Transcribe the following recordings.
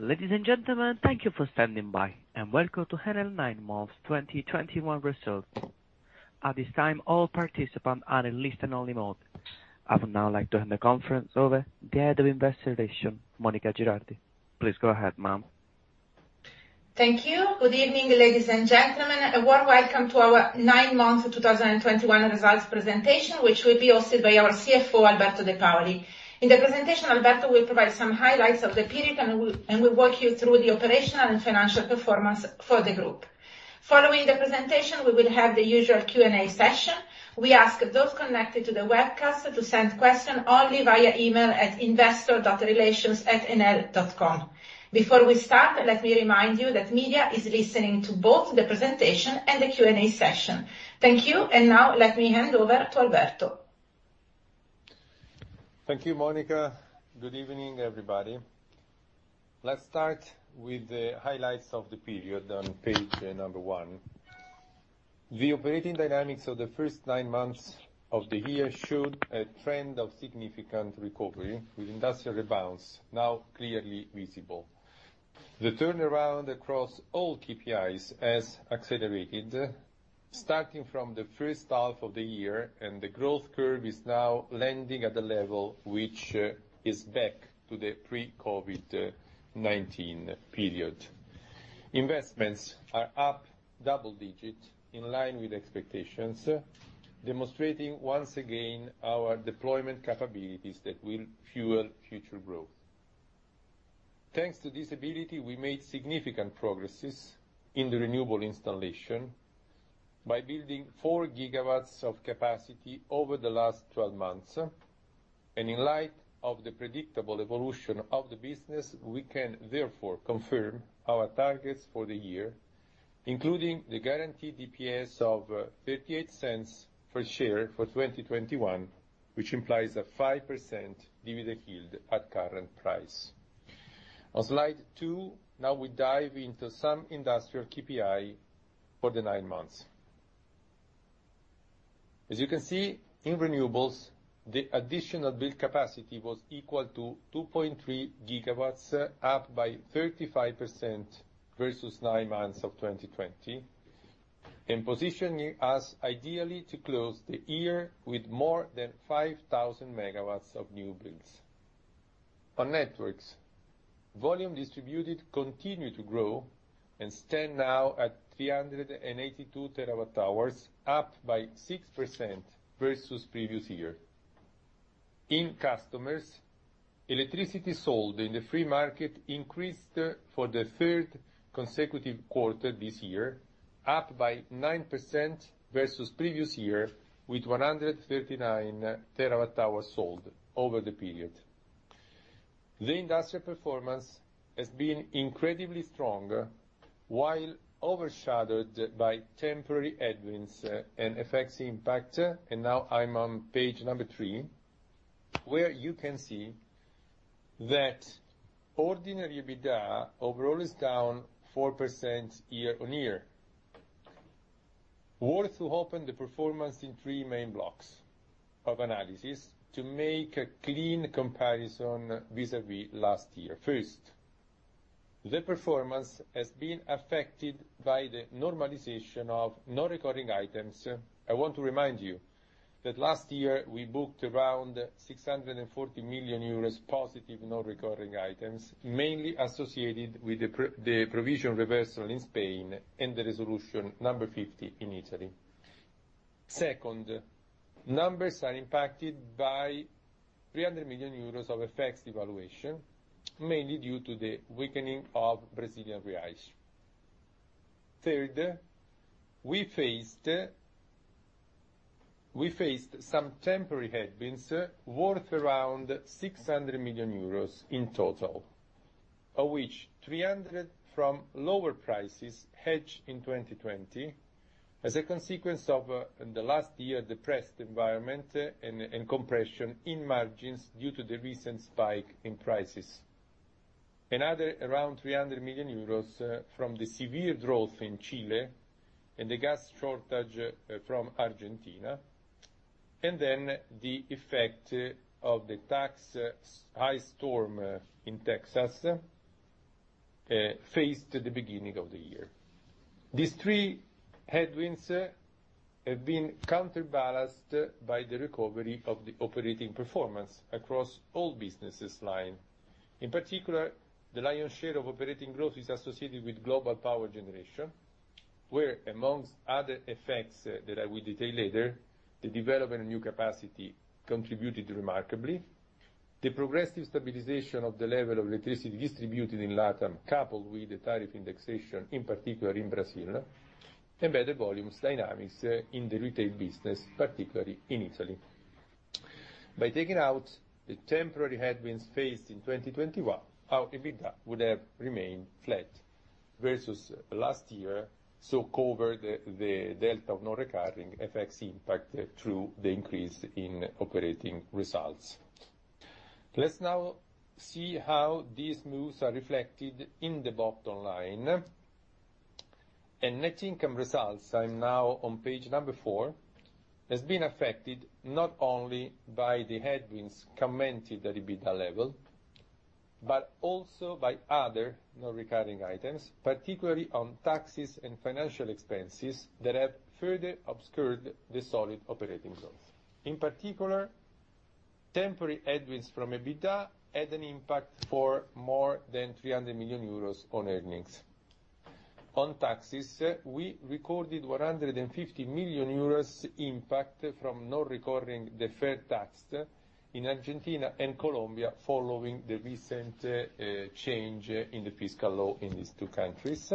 Ladies and gentlemen, thank you for standing by, and welcome to Enel nine months 2021 results. At this time, all participants are in listen-only mode. I would now like to hand the conference over to Head of Investor Relations, Monica Girardi. Please go ahead, ma'am. Thank you. Good evening, ladies and gentlemen, and warm welcome to our nine months of 2021 results presentation, which will be hosted by our CFO, Alberto De Paoli. In the presentation, Alberto will provide some highlights of the period and will walk you through the operational and financial performance for the group. Following the presentation, we will have the usual Q&A session. We ask those connected to the webcast to send questions only via email at investor.relations@enel.com. Before we start, let me remind you that media is listening to both the presentation and the Q&A session. Thank you, and now let me hand over to Alberto. Thank you, Monica. Good evening, everybody. Let's start with the highlights of the period on page number one. The operating dynamics of the first nine months of the year showed a trend of significant recovery, with industrial bounce now clearly visible. The turnaround across all KPIs has accelerated, starting from the H1 of the year, and the growth curve is now landing at a level which is back to the pre-COVID 2019 period. Investments are up double digits, in line with expectations, demonstrating once again our deployment capabilities that will fuel future growth. Thanks to this ability, we made significant progresses in the renewable installation by building 4 GW of capacity over the last 12 months. In light of the predictable evolution of the business, we can therefore confirm our targets for the year, including the guaranteed DPS of €0.38 per share for 2021, which implies a 5% dividend yield at current price. On slide two, now we dive into some industrial KPI for the nine months. As you can see, in renewables, the additional built capacity was equal to 2.3 GW, up 35% versus nine months of 2020, and positioning us ideally to close the year with more than 5,000 MW of new builds. On networks, volume distributed continues to grow and stands now at 382 TWh, up 6% versus previous year. In customers, electricity sold in the free market increased for the third consecutive quarter this year, up by 9% versus previous year, with 139 TWh sold over the period. The industrial performance has been incredibly strong while overshadowed by temporary headwinds and FX impact. Now I'm on page three, where you can see that ordinary EBITDA overall is down 4% year-on-year. It's worth to open the performance in three main blocks of analysis to make a clean comparison vis-à-vis last year. First, the performance has been affected by the normalization of non-recurring items. I want to remind you that last year we booked around 640 million euros positive non-recurring items, mainly associated with the provision reversal in Spain and Resolution 50 in Italy. Second, numbers are impacted by 300 million euros of FX devaluation, mainly due to the weakening of Brazilian reais. Third, we faced some temporary headwinds worth around 600 million euros in total, of which 300 million from lower prices hedged in 2020, as a consequence of the last year depressed environment and compression in margins due to the recent spike in prices. Another around 300 million euros from the severe drought in Chile and the gas shortage from Argentina, and then the effect of the Texas ice storm in Texas faced at the beginning of the year. These three headwinds have been counterbalanced by the recovery of the operating performance across all business lines. In particular, the lion's share of operating growth is associated with Global Power Generation, where among other effects that I will detail later, the development of new capacity contributed remarkably, the progressive stabilization of the level of electricity distributed in LATAM, coupled with the tariff indexation, in particular in Brazil, and better volumes dynamics in the retail business, particularly in Italy. By taking out the temporary headwinds faced in 2021, our EBITDA would have remained flat versus last year, so cover the delta of non-recurring FX impact through the increase in operating results. Let's now see how these moves are reflected in the bottom line. Net income results, I'm now on page four, has been affected not only by the headwinds commented at EBITDA level, but also by other non-recurring items, particularly on taxes and financial expenses, that have further obscured the solid operating growth. In particular, temporary headwinds from EBITDA had an impact for more than 300 million euros on earnings. On taxes, we recorded 150 million euros impact from non-recurring deferred tax in Argentina and Colombia following the recent change in the fiscal law in these two countries.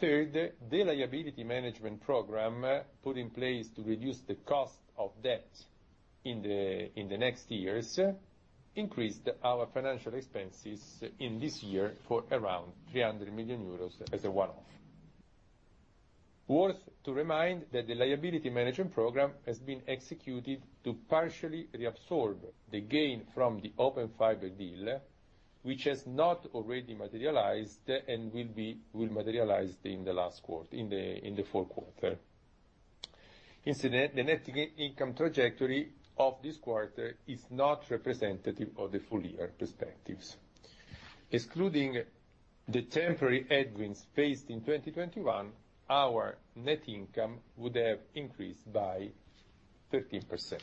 Third, the liability management program put in place to reduce the cost of debt in the next years increased our financial expenses in this year for around 300 million euros as a one-off. Worth reminding that the liability management program has been executed to partially reabsorb the gain from the Open Fiber deal, which has not already materialized and will materialize in the last quarter, in the full year. Incidentally, the net income trajectory of this quarter is not representative of the full-year prospects. Excluding the temporary headwinds faced in 2021, our net income would have increased by 13%.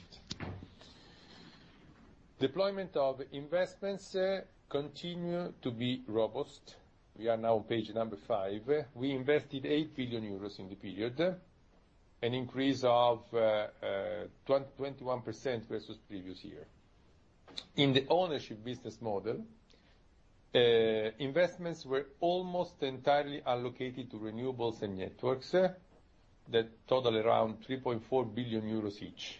Deployment of investments continue to be robust. We are now on page 5. We invested 8 billion euros in the period, an increase of 21% versus previous year. In the ownership business model, investments were almost entirely allocated to renewables and networks, that total around 3.4 billion euros each,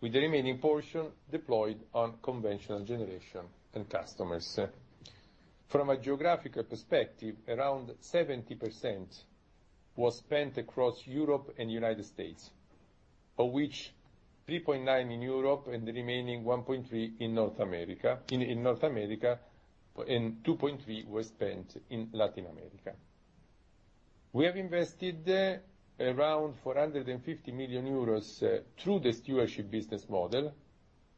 with the remaining portion deployed on conventional generation and customers. From a geographical perspective, around 70% was spent across Europe and United States, of which 3.9 billion in Europe and the remaining $1.3 billion in North America, and 2.3 billion was spent in Latin America. We have invested around 450 million euros through the Stewardship business model,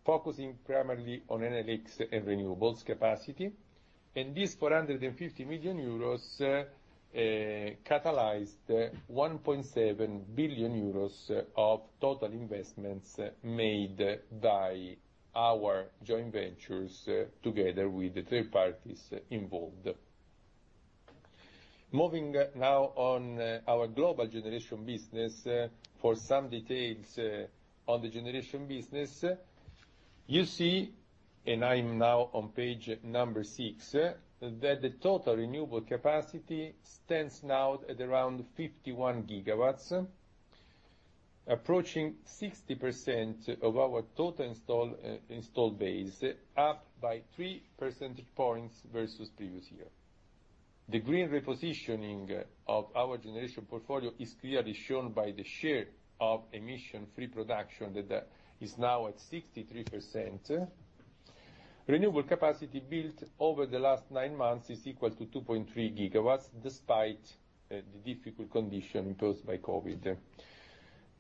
focusing primarily on Enel X and renewables capacity. This 450 million euros catalyzed 1.7 billion euros of total investments made by our joint ventures together with the third parties involved. Moving now on our global generation business. For some details on the generation business, you see, and I'm now on page six, that the total renewable capacity stands now at around 51 GW, approaching 60% of our total installed base, up by 3% points versus previous year. The green repositioning of our generation portfolio is clearly shown by the share of emission free production that is now at 63%. Renewable capacity built over the last nine months is equal to 2.3 GW, despite the difficult condition posed by COVID.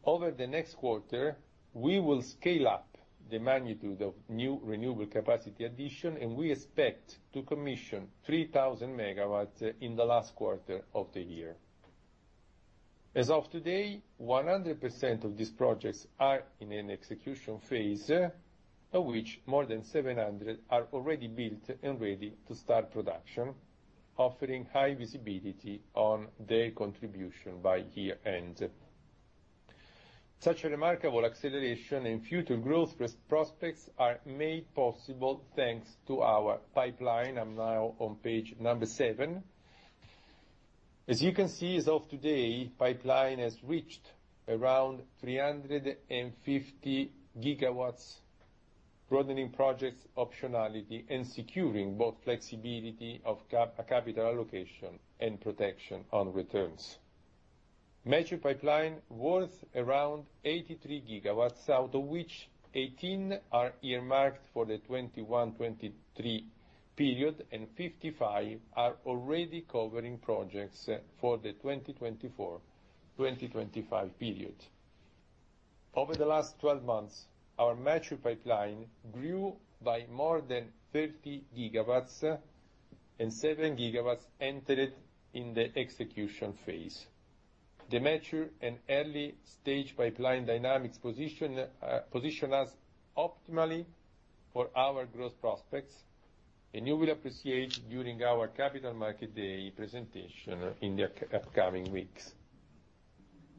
Over the next quarter, we will scale up the magnitude of new renewable capacity addition, and we expect to commission 3,000 MW in the last quarter of the year. As of today, 100% of these projects are in an execution phase, of which more than 700 are already built and ready to start production, offering high visibility on their contribution by year end. Such a remarkable acceleration in future growth prospects are made possible thanks to our pipeline. I'm now on page seven. As you can see, as of today, pipeline has reached around 350 GW, broadening projects optionality and securing both flexibility of capital allocation and protection on returns. Mature pipeline worth around 83 GW, out of which 18 are earmarked for the 2021-2023 period, and 55 are already covering projects for the 2024-2025 period. Over the last 12 months, our mature pipeline grew by more than 30 GW, and 7 GW entered in the execution phase. The mature and early stage pipeline dynamics position us optimally for our growth prospects, and you will appreciate during our Capital Markets Day presentation in the upcoming weeks.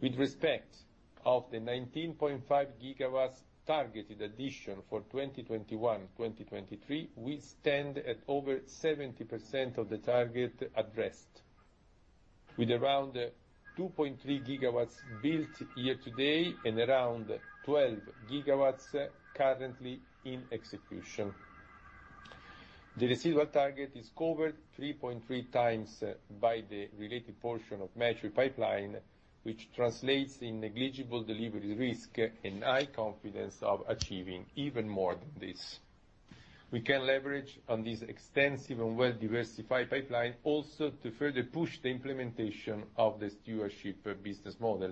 With respect to the 19.5 GW targeted addition for 2021-2023, we stand at over 70% of the target addressed, with around 2.3 GW built year-to-date and around 12 GW currently in execution. The residual target is covered 3.3x by the related portion of mature pipeline, which translates in negligible delivery risk and high confidence of achieving even more than this. We can leverage on this extensive and well-diversified pipeline also to further push the implementation of the Stewardship business model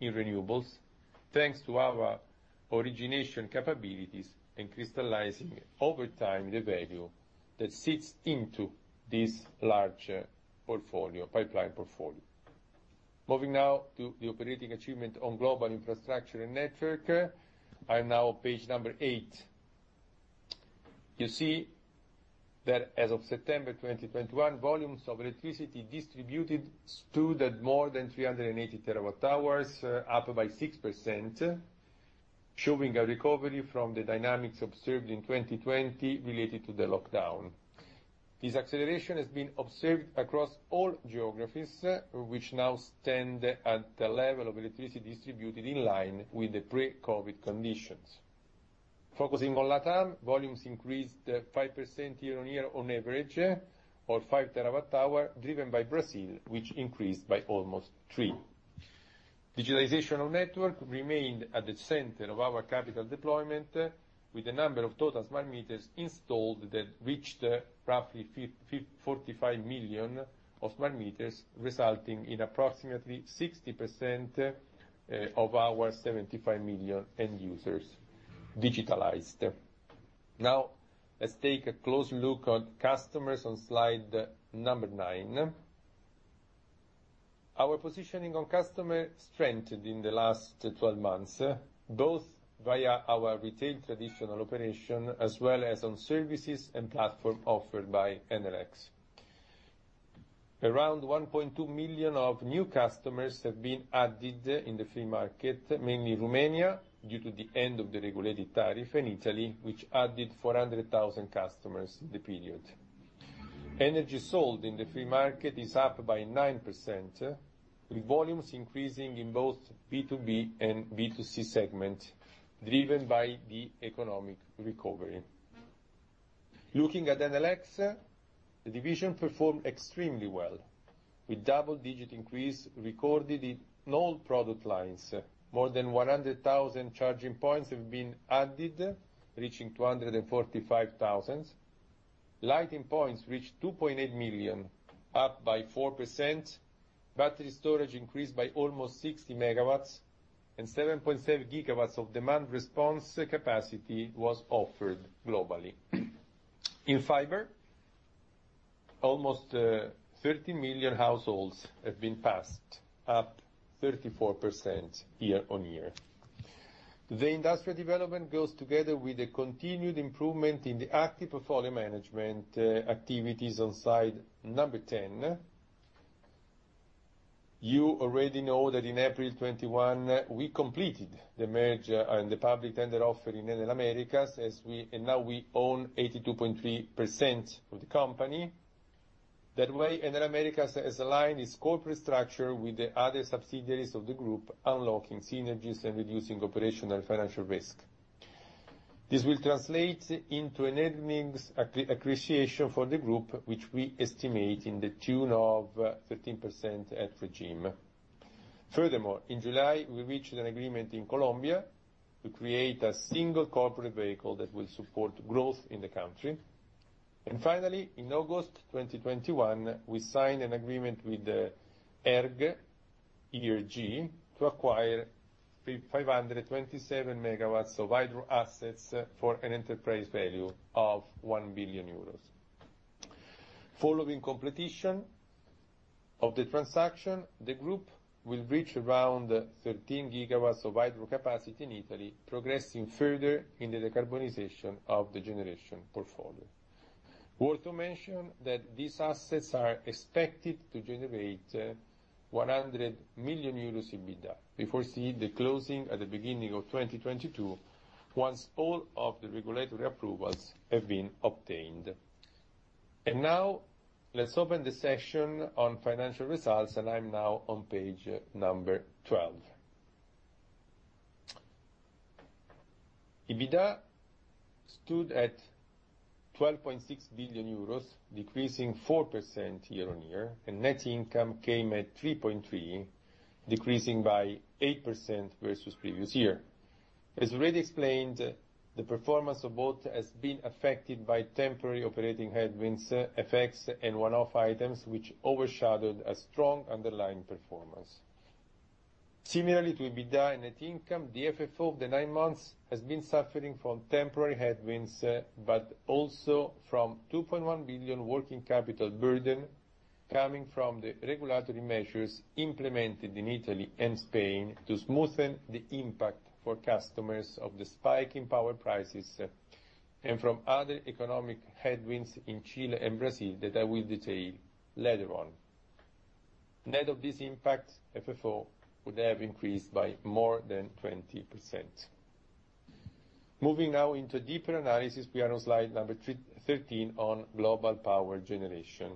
in renewables, thanks to our origination capabilities and crystallizing over time the value that sits into this larger portfolio, pipeline portfolio. Moving now to the operating achievement on Global Infrastructure and Networks. I am now on page eight. You see that as of September 2021, volumes of electricity distributed stood at more than 380 TWh, up by 6%, showing a recovery from the dynamics observed in 2020 related to the lockdown. This acceleration has been observed across all geographies, which now stand at the level of electricity distributed in line with the pre-COVID conditions. Focusing on LatAm, volumes increased 5% year-on-year on average, or 5 TWh, driven by Brazil, which increased by almost 3. Digitalization of network remained at the center of our capital deployment, with the number of total smart meters installed that reached roughly 45 million smart meters, resulting in approximately 60% of our 75 million end users digitalized. Now, let's take a close look on customers on slide number nine. Our positioning on customer strengthened in the last 12 months, both via our retail traditional operation as well as on services and platform offered by NLX. Around 1.2 million of new customers have been added in the free market, mainly Romania, due to the end of the regulated tariff in Italy, which added 400,000 customers the period. Energy sold in the free market is up by 9%, with volumes increasing in both B2B and B2C segments, driven by the economic recovery. Looking at NLX, the division performed extremely well, with double-digit increase recorded in all product lines. More than 100,000 charging points have been added, reaching 245,000. Lighting points reached 2.8 million, up by 4%. Battery storage increased by almost 60 MW, and 7.7 GW of demand response capacity was offered globally. In fiber, almost 30 million households have been passed, up 34% year-over-year. The industrial development goes together with the continued improvement in the active portfolio management activities on slide 10. You already know that in April 2021, we completed the merger and the public tender offer in Enel Americas, and now we own 82.3% of the company. That way, Enel Americas has aligned its corporate structure with the other subsidiaries of the group, unlocking synergies and reducing operational financial risk. This will translate into an earnings accretion for the group, which we estimate to the tune of 13% at regime. Furthermore, in July, we reached an agreement in Colombia to create a single corporate vehicle that will support growth in the country. Finally, in August 2021, we signed an agreement with ERG, E-R-G, to acquire 527 MW of hydro assets for an enterprise value of 1 billion euros. Following completion of the transaction, the group will reach around 13 GW of hydro capacity in Italy, progressing further in the decarbonization of the generation portfolio. Worth to mention that these assets are expected to generate 100 million euros EBITDA. We foresee the closing at the beginning of 2022, once all of the regulatory approvals have been obtained. Now let's open the session on financial results, and I'm now on page 12. EBITDA stood at 12.6 billion euros, decreasing 4% year-over-year, and net income came at 3.3 billion, decreasing by 8% versus previous year. As already explained, the performance of both has been affected by temporary operating headwinds, FX, and one-off items which overshadowed a strong underlying performance. Similarly to EBITDA and net income, the FFO of the nine months has been suffering from temporary headwinds, but also from 2.1 billion working capital burden coming from the regulatory measures implemented in Italy and Spain to smoothen the impact for customers of the spike in power prices, and from other economic headwinds in Chile and Brazil that I will detail later on. Net of this impact, FFO would have increased by more than 20%. Moving now into deeper analysis, we are on slide number 13 on Global Power Generation.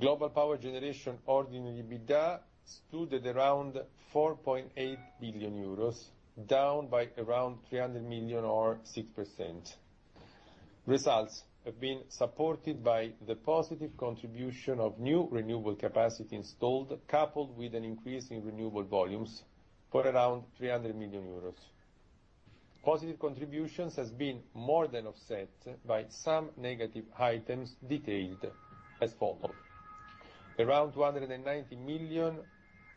Global Power Generation ordinary EBITDA stood at around 4.8 billion euros, down by around 300 million or 6%. Results have been supported by the positive contribution of new renewable capacity installed, coupled with an increase in renewable volumes for around 300 million euros. Positive contributions has been more than offset by some negative items detailed as follows. Around 290 million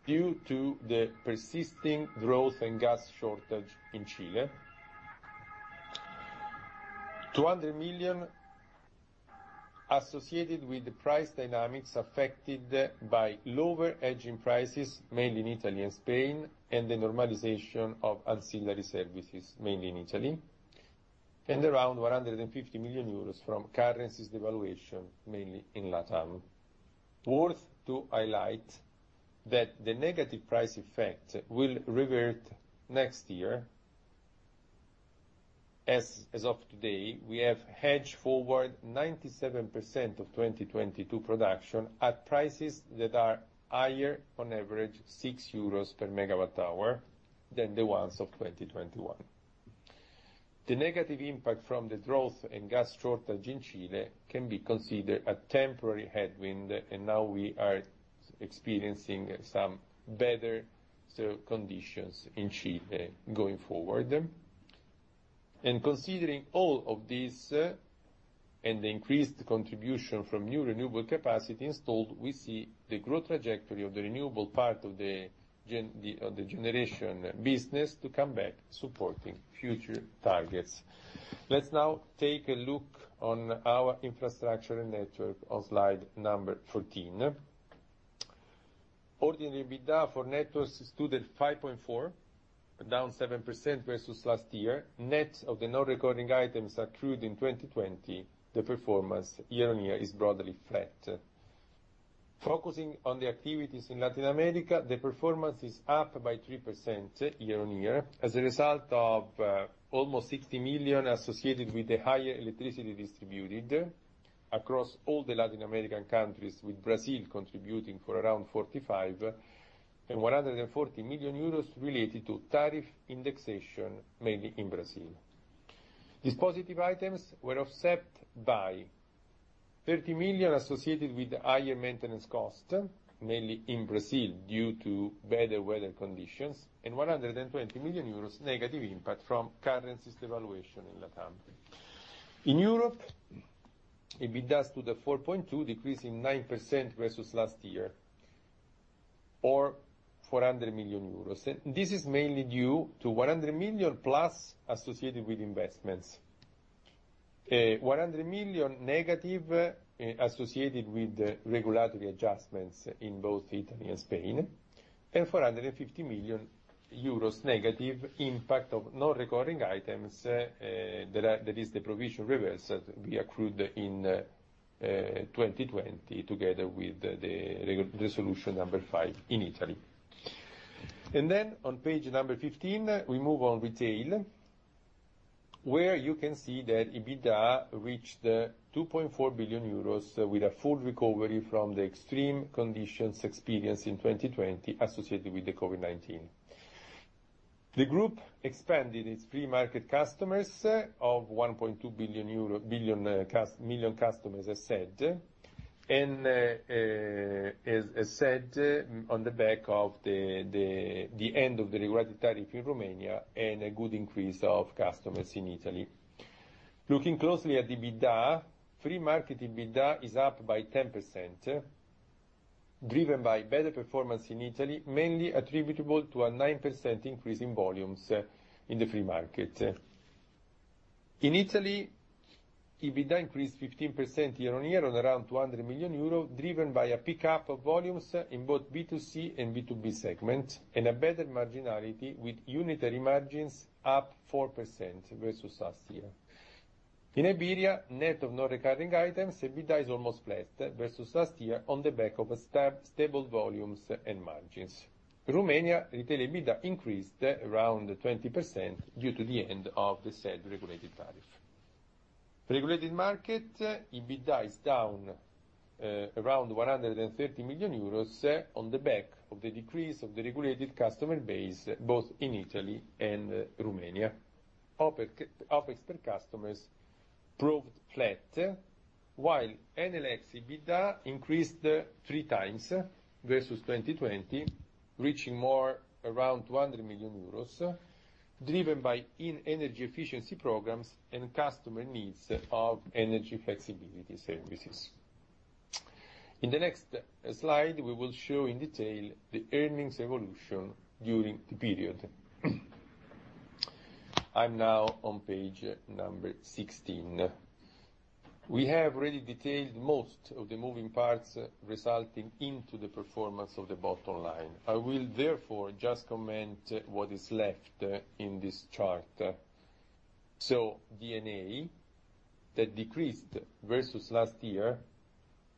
due to the persisting drought and gas shortage in Chile. 200 million associated with the price dynamics affected by lower hedging prices, mainly in Italy and Spain, and the normalization of ancillary services, mainly in Italy. Around 150 million euros from currency devaluation, mainly in LatAm. Worth to highlight that the negative price effect will revert next year. As of today, we have hedged forward 97% of 2022 production at prices that are higher, on average 6 euros per MWh, than the ones of 2021. The negative impact from the drought and gas shortage in Chile can be considered a temporary headwind, and now we are experiencing some better conditions in Chile going forward. Considering all of this, and the increased contribution from new renewable capacity installed, we see the growth trajectory of the renewable part of the generation business to come back supporting future targets. Let's now take a look on our infrastructure and network on slide number 14. Ordinary EBITDA for networks stood at 5.4, down 7% versus last year. Net of the non-recurring items accrued in 2020, the performance year-on-year is broadly flat. Focusing on the activities in Latin America, the performance is up by 3% year-on-year, as a result of almost 60 million associated with the higher electricity distributed across all the Latin American countries, with Brazil contributing for around 45%, and 140 million euros related to tariff indexation, mainly in Brazil. These positive items were offset by 30 million associated with higher maintenance cost, mainly in Brazil, due to better weather conditions, and 120 million euros negative impact from currency's devaluation in Latam. In Europe, EBITDA stood at 4.2 billion, decreasing 9% versus last year, or 400 million euros. This is mainly due to 100 million plus associated with investments. 100 million negative associated with regulatory adjustments in both Italy and Spain, and 450 million euros negative impact of non-recurring items, that is the provision reversal that we accrued in 2020 together with the Resolution 50 in Italy. On page 15, we move on to retail, where you can see that EBITDA reached 2.4 billion euros with a full recovery from the extreme conditions experienced in 2020 associated with the COVID-19. The group expanded its free market customers by 1.2 million customers, I said. As said, on the back of the end of the regulated tariff in Romania and a good increase of customers in Italy. Looking closely at EBITDA, free market EBITDA is up by 10%, driven by better performance in Italy, mainly attributable to a 9% increase in volumes in the free market. In Italy, EBITDA increased 15% year-on-year on around 200 million euro, driven by a pickup of volumes in both B2C and B2B segment, and a better marginality with unitary margins up 4% versus last year. In Iberia, net of non-recurring items, EBITDA is almost flat versus last year on the back of stable volumes and margins. Romania retail EBITDA increased around 20% due to the end of the said regulated tariff. Regulated market EBITDA is down around 130 million euros on the back of the decrease of the regulated customer base, both in Italy and Romania. Open Fiber customers proved flat, while NLX EBITDA increased 3x versus 2020, reaching more around 200 million euros, driven by energy efficiency programs and customer needs of energy flexibility services. In the next slide, we will show in detail the earnings evolution during the period. I'm now on page 16. We have already detailed most of the moving parts resulting into the performance of the bottom line. I will therefore just comment what is left in this chart. D&A that decreased versus last year,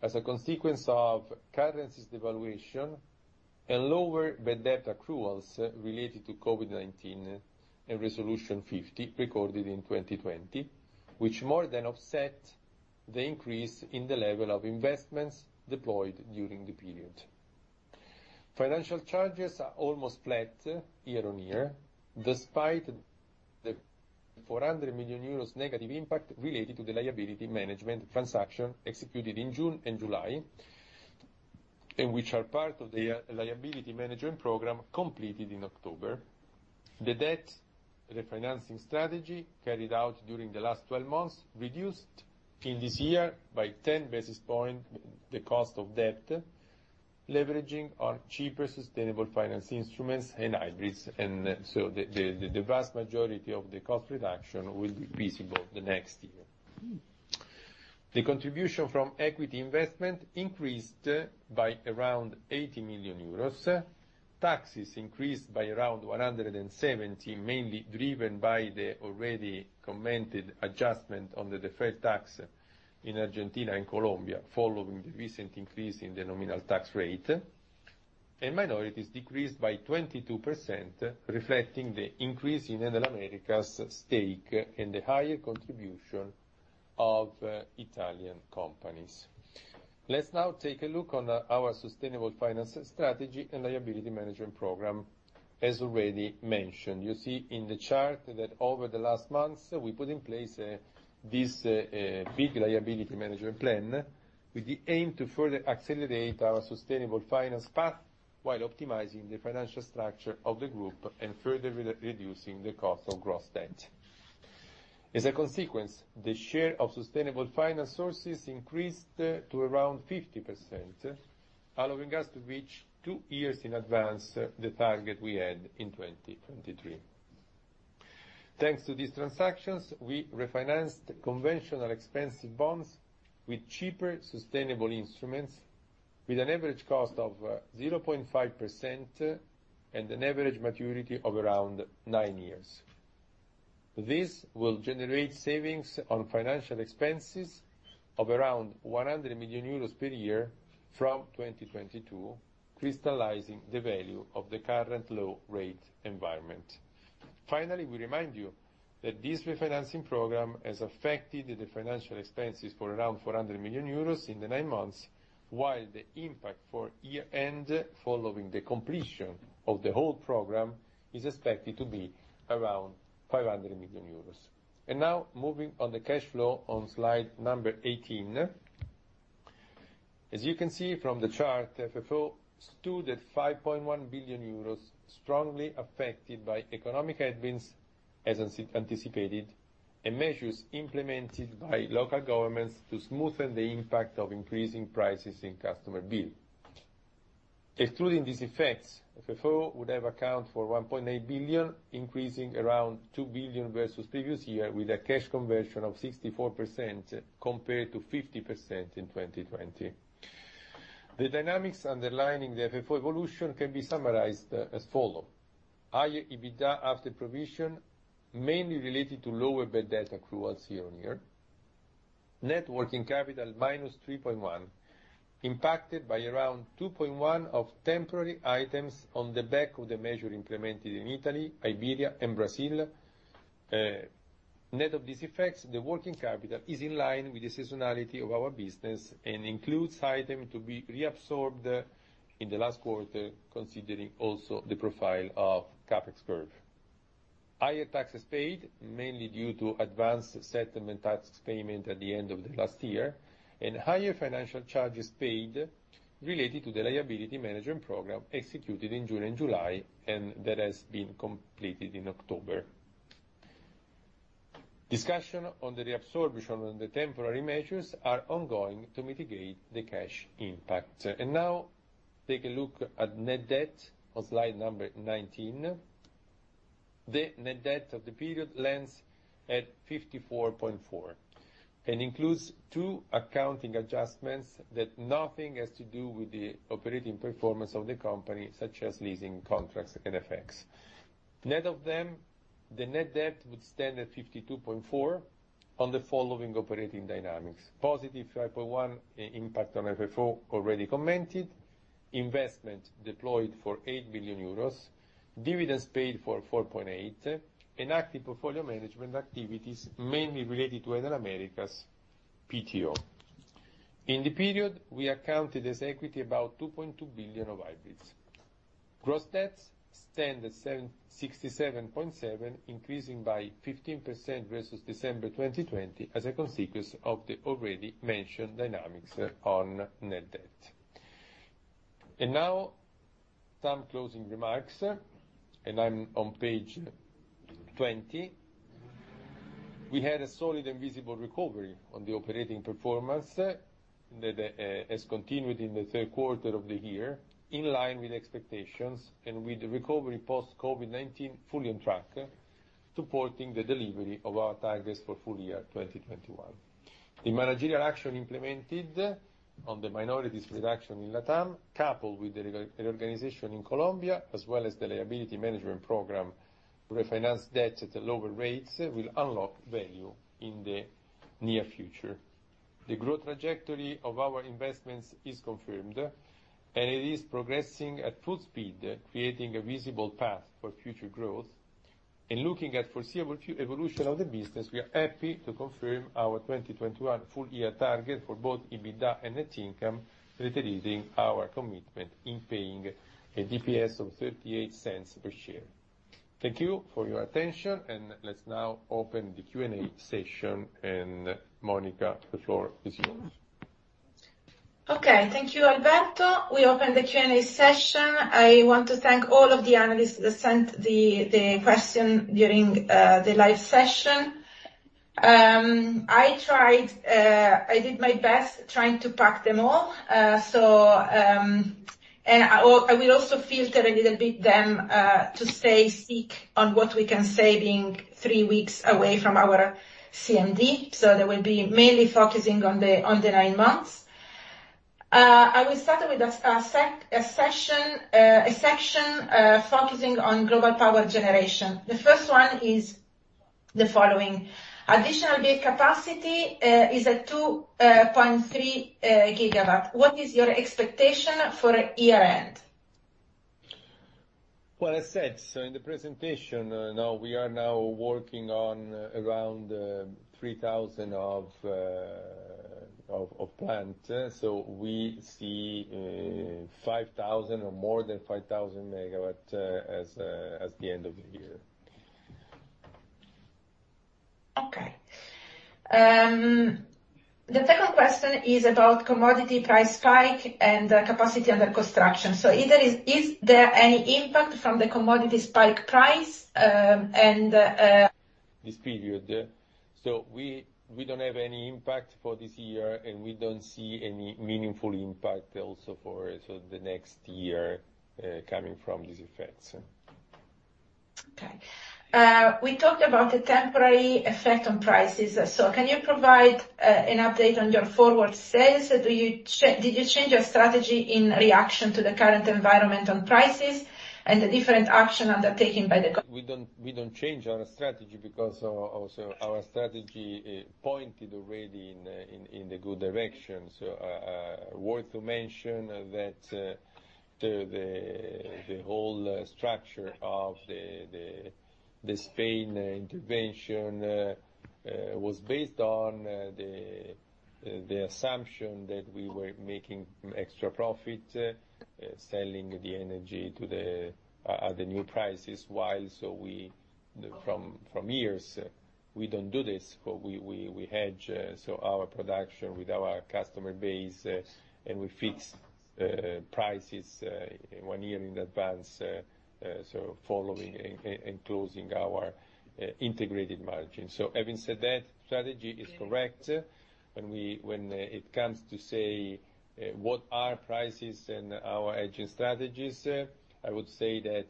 as a consequence of currency devaluation and lower bad debt accruals related to COVID-19 and Resolution 50 recorded in 2020, which more than offset the increase in the level of investments deployed during the period. Financial charges are almost flat year-on-year, despite the 400 million euros negative impact related to the liability management transaction executed in June and July, and which are part of the liability management program completed in October. The debt refinancing strategy carried out during the last 12 months reduced in this year by 10 basis points the cost of debt, leveraging our cheaper sustainable finance instruments and hybrids. The vast majority of the cost reduction will be visible the next year. The contribution from equity investment increased by around 80 million euros. Taxes increased by around 170, mainly driven by the already commented adjustment on the deferred tax in Argentina and Colombia, following the recent increase in the nominal tax rate. Minorities decreased by 22%, reflecting the increase in Enel Americas' stake in the higher contribution of Italian companies. Let's now take a look at our sustainable finance strategy and liability management program, as already mentioned. You see in the chart that over the last months, we put in place this big liability management plan with the aim to further accelerate our sustainable finance path while optimizing the financial structure of the group and further re-reducing the cost of gross debt. As a consequence, the share of sustainable finance sources increased to around 50%, allowing us to reach two years in advance the target we had in 2023. Thanks to these transactions, we refinanced conventional expensive bonds with cheaper sustainable instruments with an average cost of 0.5% and an average maturity of around nine years. This will generate savings on financial expenses of around 100 million euros per year from 2022, crystallizing the value of the current low rate environment. Finally, we remind you that this refinancing program has affected the financial expenses for around 400 million euros in the nine months, while the impact for year end, following the completion of the whole program, is expected to be around 500 million euros. Now moving on to the cash flow on slide number 18. As you can see from the chart, FFO stood at 5.1 billion euros, strongly affected by economic headwinds as anticipated, and measures implemented by local governments to smoothen the impact of increasing prices in customer bill. Excluding these effects, FFO would have account for 1.8 billion, increasing around 2 billion versus previous year, with a cash conversion of 64%, compared to 50% in 2020. The dynamics underlying the FFO evolution can be summarized as follow: higher EBITDA after provision, mainly related to lower bad debt accruals year-on-year. Net working capital -3.1, impacted by around 2.1 of temporary items on the back of the measure implemented in Italy, Iberia and Brazil. Net of these effects, the working capital is in line with the seasonality of our business and includes item to be reabsorbed in the last quarter, considering also the profile of CapEx curve. Higher taxes paid, mainly due to advanced settlement tax payment at the end of the last year, and higher financial charges paid related to the liability management program executed in June and July, and that has been completed in October. Discussion on the reabsorption and the temporary measures are ongoing to mitigate the cash impact. Now take a look at net debt on slide number 19. The net debt of the period lands at 54.4 billion and includes two accounting adjustments that nothing has to do with the operating performance of the company, such as leasing contracts and effects. Net of them, the net debt would stand at 52.4 on the following operating dynamics, +5.1 impact on FFO already commented, investment deployed for 8 billion euros, dividends paid for 4.8, and active portfolio management activities mainly related to Enel Americas PTO. In the period, we accounted as equity about 2.2 billion of hybrids. Gross debt stands at 77.7, increasing by 15% versus December 2020 as a consequence of the already mentioned dynamics on net debt. Now some closing remarks, and I'm on page 20. We had a solid and visible recovery on the operating performance that has continued in the third quarter of the year, in line with expectations, and with recovery post COVID-19 fully on track, supporting the delivery of our targets for full year 2021. The managerial action implemented on the minorities reduction in Latam, coupled with the reorganization in Colombia, as well as the liability management program, refinance debt at lower rates, will unlock value in the near future. The growth trajectory of our investments is confirmed, and it is progressing at full speed, creating a visible path for future growth. Looking at foreseeable evolution of the business, we are happy to confirm our 2021 full year target for both EBITDA and net income, reiterating our commitment in paying a DPS of 0.38 per share. Thank you for your attention, and let's now open the Q&A session. Monica, the floor is yours. Okay. Thank you, Alberto. We open the Q&A session. I want to thank all of the analysts that sent the question during the live session. I did my best trying to park them all. I will also filter them a little bit to stay sleek on what we can say being three weeks away from our CMD. They will be mainly focusing on the nine months. I will start with a section focusing on Global Power Generation. The first one is the following: Additional build capacity is at 2.3 GW. What is your expectation for year-end? Well, I said in the presentation, now we are working on around 3,000 of plant. We see 5,000 or more than 5,000 MW as the end of the year. Okay. The second question is about commodity price spike and capacity under construction. Is there any impact from the commodity price spike, and. This period. We don't have any impact for this year, and we don't see any meaningful impact also for the next year coming from these effects. Okay. We talked about the temporary effect on prices. Can you provide an update on your forward sales? Did you change your strategy in reaction to the current environment on prices and the different action undertaken by the go. We don't change our strategy because also our strategy pointed already in the good direction. It's worth mentioning that the whole structure of the Spanish intervention was based on the assumption that we were making extra profit selling the energy at the new prices, while for years we don't do this, but we hedge our production with our customer base and we fix prices one year in advance, so following and closing our integrated margin. Having said that, strategy is correct. When it comes to, say, what are prices and our hedging strategies, I would say that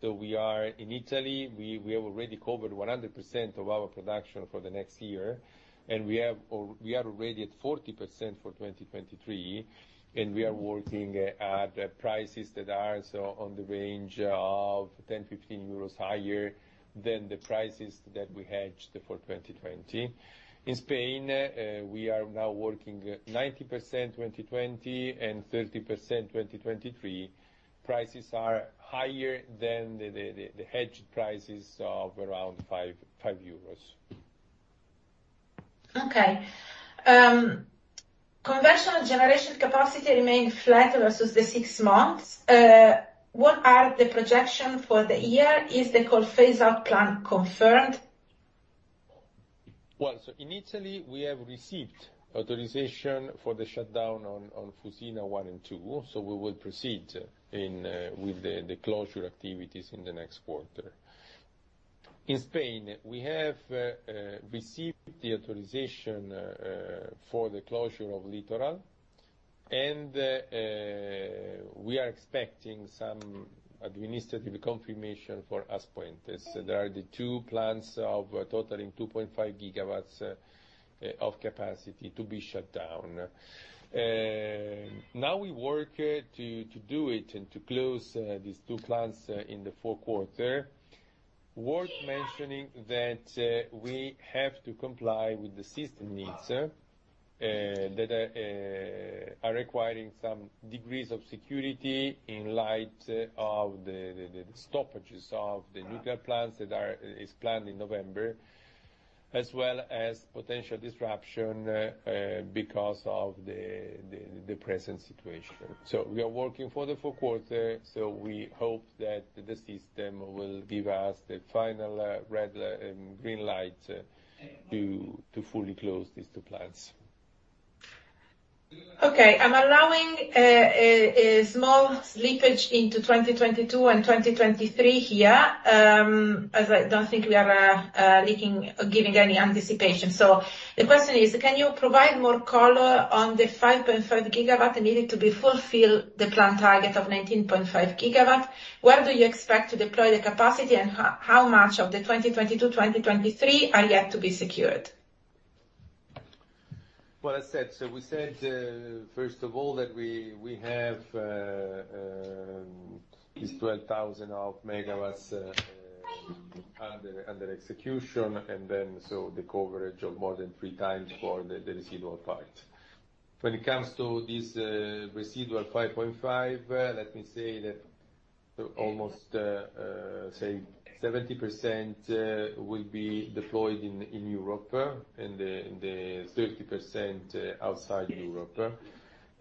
though we are in Italy, we have already covered 100% of our production for the next year, and we are already at 40% for 2023, and we are working at prices that are in the range of 10-5 euros higher than the prices that we hedged for 2020. In Spain, we are now working 90% 2022 and 30% 2023. Prices are higher than the hedged prices of around 5 euros. Okay. Conventional generation capacity remained flat versus the six months. What are the projection for the year? Is the coal phase out plan confirmed? Well, in Italy, we have received authorization for the shutdown on Fusina 1 and 2, so we will proceed with the closure activities in the next quarter. In Spain, we have received the authorization for the closure of Litoral, and we are expecting some administrative confirmation for As Pontes. They are the two plants totaling 2.5 GW of capacity to be shut down. Now we work to do it and to close these two plants in the fourth quarter. Worth mentioning that we have to comply with the system needs that are requiring some degrees of security in light of the stoppages of the nuclear plants that are planned in November, as well as potential disruption because of the present situation. We are working for the fourth quarter, so we hope that the system will give us the final green light to fully close these two plants. Okay. I'm allowing a small slippage into 2022 and 2023 here, as I don't think we are leaking or giving any anticipation. The question is, can you provide more color on the 5.5 GW needed to fulfill the plan target of 19.5 GW? Where do you expect to deploy the capacity, and how much of the 2022, 2023 are yet to be secured? Well said. We said, first of all that we have this 12,000 MW under execution, and then the coverage of more than three times for the residual parts. When it comes to this residual 5.5, let me say that almost, say 70% will be deployed in Europe, and the 30% outside Europe.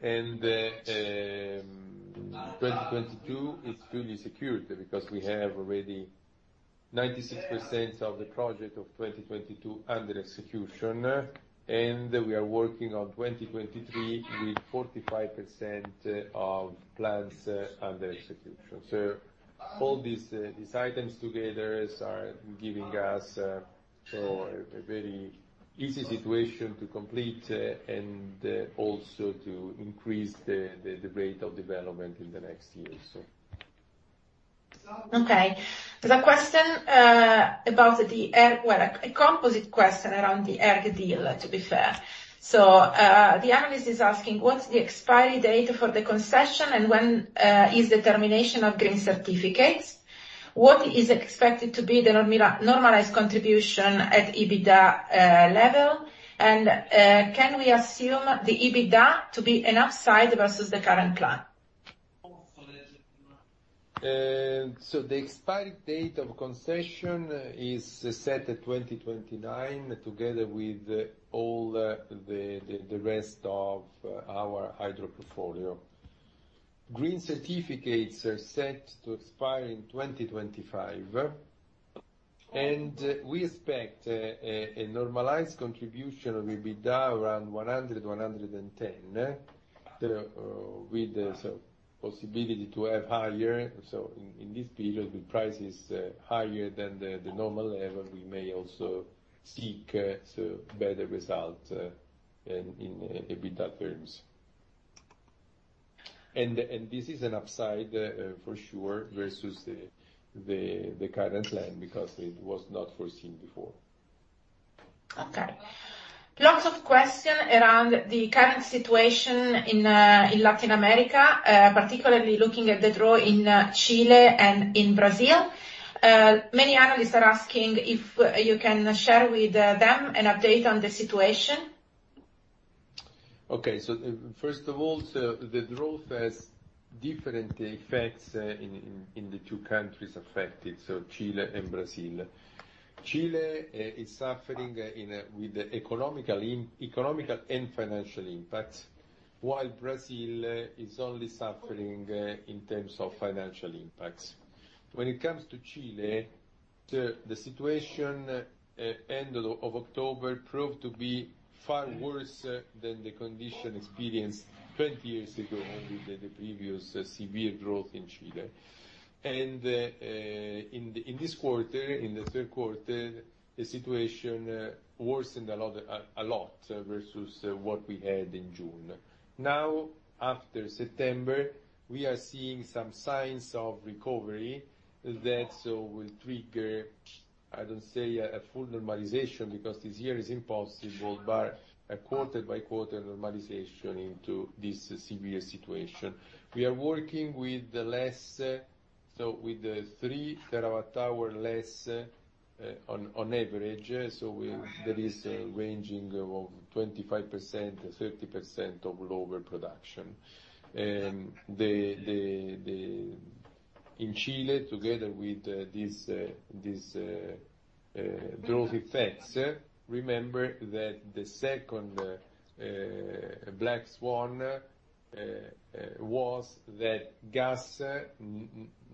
2022 is fully secured because we have already 96% of the project of 2022 under execution. We are working on 2023 with 45% of plants under execution. All these items together are giving us a very easy situation to complete and also to increase the rate of development in the next years. Okay. There's a question about the ERG, well, a composite question around the ERG deal, to be fair. The analyst is asking, what's the expiry date for the concession and when is the termination of green certificates? What is expected to be the normalized contribution at EBITDA level? And can we assume the EBITDA to be an upside versus the current plan? The expiry date of concession is set at 2029, together with all the rest of our hydro portfolio. Green certificates are set to expire in 2025. We expect a normalized contribution of EBITDA around 100-110, with the possibility to have higher. In this period, with prices higher than the normal level, we may also seek better results in EBITDA terms. This is an upside, for sure, versus the current plan because it was not foreseen before. Okay. Lots of questions around the current situation in Latin America, particularly looking at the draw in Chile and in Brazil. Many analysts are asking if you can share with them an update on the situation. Okay. The drought has different effects in the two countries affected, Chile and Brazil. Chile is suffering with the economic and financial impact, while Brazil is only suffering in terms of financial impacts. When it comes to Chile, the situation end of October proved to be far worse than the condition experienced 20 years ago in the previous severe drought in Chile. In this quarter, in the third quarter, the situation worsened a lot versus what we had in June. Now, after September, we are seeing some signs of recovery that will trigger. I don't say a full normalization because this year is impossible, but a quarter-by-quarter normalization into this severe situation. We are working with less, so with 3 TWh less, on average. There is a range of 25%-30% of lower production. In Chile, together with this drought effects, remember that the second black swan was that gas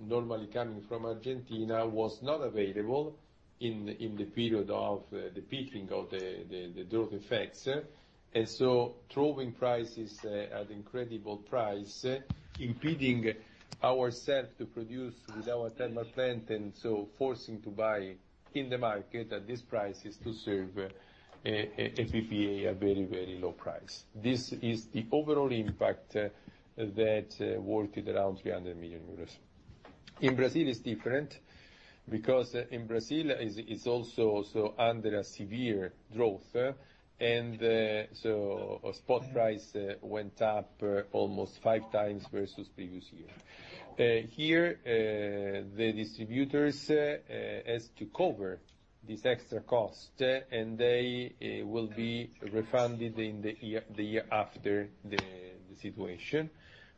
normally coming from Argentina was not available in the period of the peaking of the drought effects. Throwing prices at incredible price, impeding ourselves to produce with our thermal plant, and so forcing to buy in the market at this price in order to serve PPA at a very, very low price. This is the overall impact that is worth around 300 million euros. In Brazil, it's different, because in Brazil is also under a severe drought, and spot price went up almost 5 times versus previous year. Here, the distributors has to cover this extra cost, and they will be refunded in the year after the situation.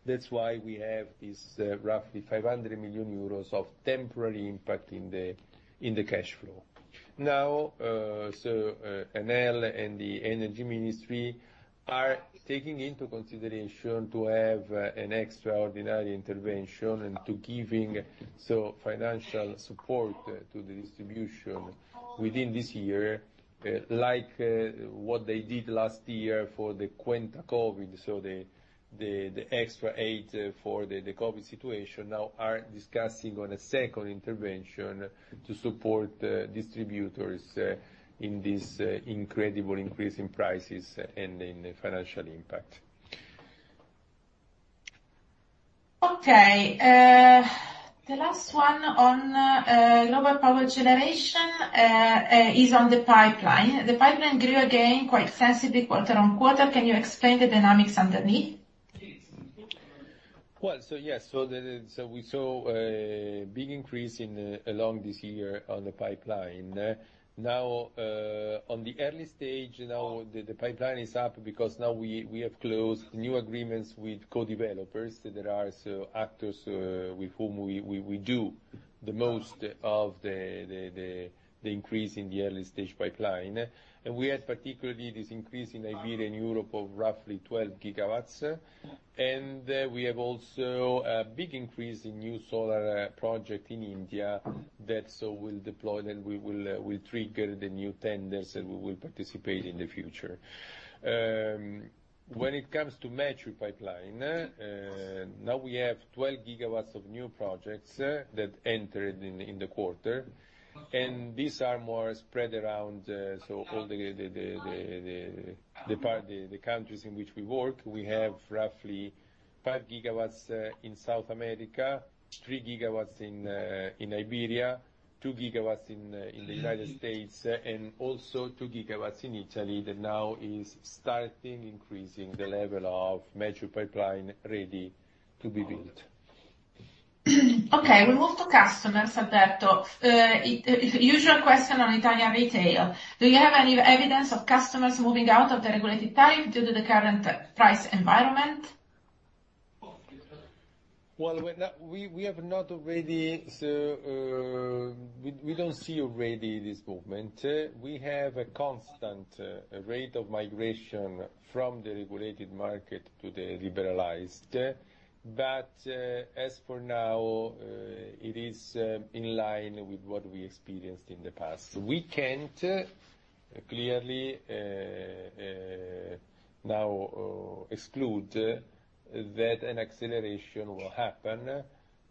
That's why we have this roughly 500 million euros of temporary impact in the cash flow. Now, Enel and the Energy Ministry are taking into consideration to have an extraordinary intervention and to giving some financial support to the distributors within this year, like what they did last year for the Conto Covid. The extra aid for the COVID situation now are discussing on a second intervention to support distributors in this incredible increase in prices and in financial impact. Okay. The last one on lower power generation is on the pipeline. The pipeline grew again quite significantly quarter-over-quarter. Can you explain the dynamics underneath? We saw a big increase all along this year on the pipeline. On the early stage, the pipeline is up because we have closed new agreements with co-developers. There are such actors with whom we do the most of the increase in the early stage pipeline. We had particularly this increase in Iberia and Europe of roughly 12 GW. We have also a big increase in new solar project in India that we will deploy that we will trigger the new tenders, and we will participate in the future. When it comes to mature pipeline, now we have 12 GW of new projects that entered in the quarter, and these are more spread around, so all the countries in which we work. We have roughly 5 GW in South America, 3 GW in Iberia, 2 GW in the United States, and also 2 GW in Italy that now is starting increasing the level of mature pipeline ready to be built. Okay. We move to customers, Alberto. Usual question on Italian retail, do you have any evidence of customers moving out of the regulated tariff due to the current price environment? Well, we have not already. We don't see already this movement. We have a constant rate of migration from the regulated market to the liberalized. As for now, it is in line with what we experienced in the past. We can't clearly now exclude that an acceleration will happen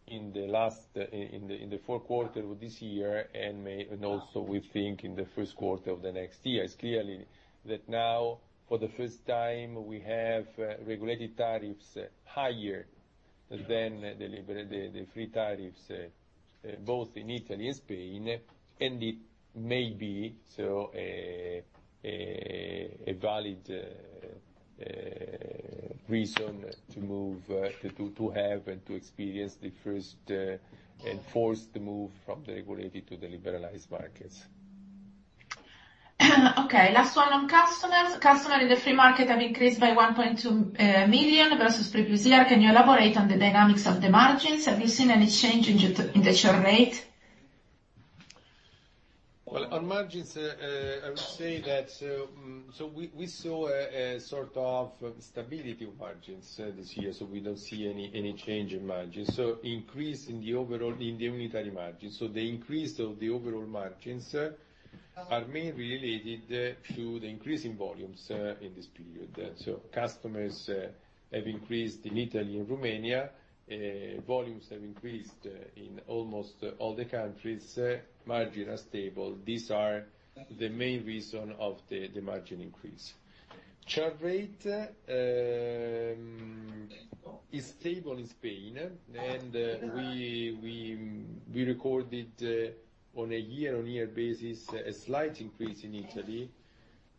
in the fourth quarter of this year, and also we think in the first quarter of the next year. It's clear that now, for the first time, we have regulated tariffs higher than the liberalized, the free tariffs both in Italy and Spain, and it may be such a valid reason to move to have and to experience the first enforced move from the regulated to the liberalized markets. Okay, last one on customers. Customers in the free market have increased by 1.2 million versus previous year. Can you elaborate on the dynamics of the margins? Have you seen any change in your churn rate? Well, on margins, I would say that we saw a sort of stability of margins this year, we don't see any change in margins. Increase in the overall unitary margins. The increase of the overall margins are mainly related to the increase in volumes in this period. Customers have increased in Italy and Romania. Volumes have increased in almost all the countries. Margins are stable. These are the main reason of the margin increase. Churn rate is stable in Spain. We recorded on a year-on-year basis a slight increase in Italy,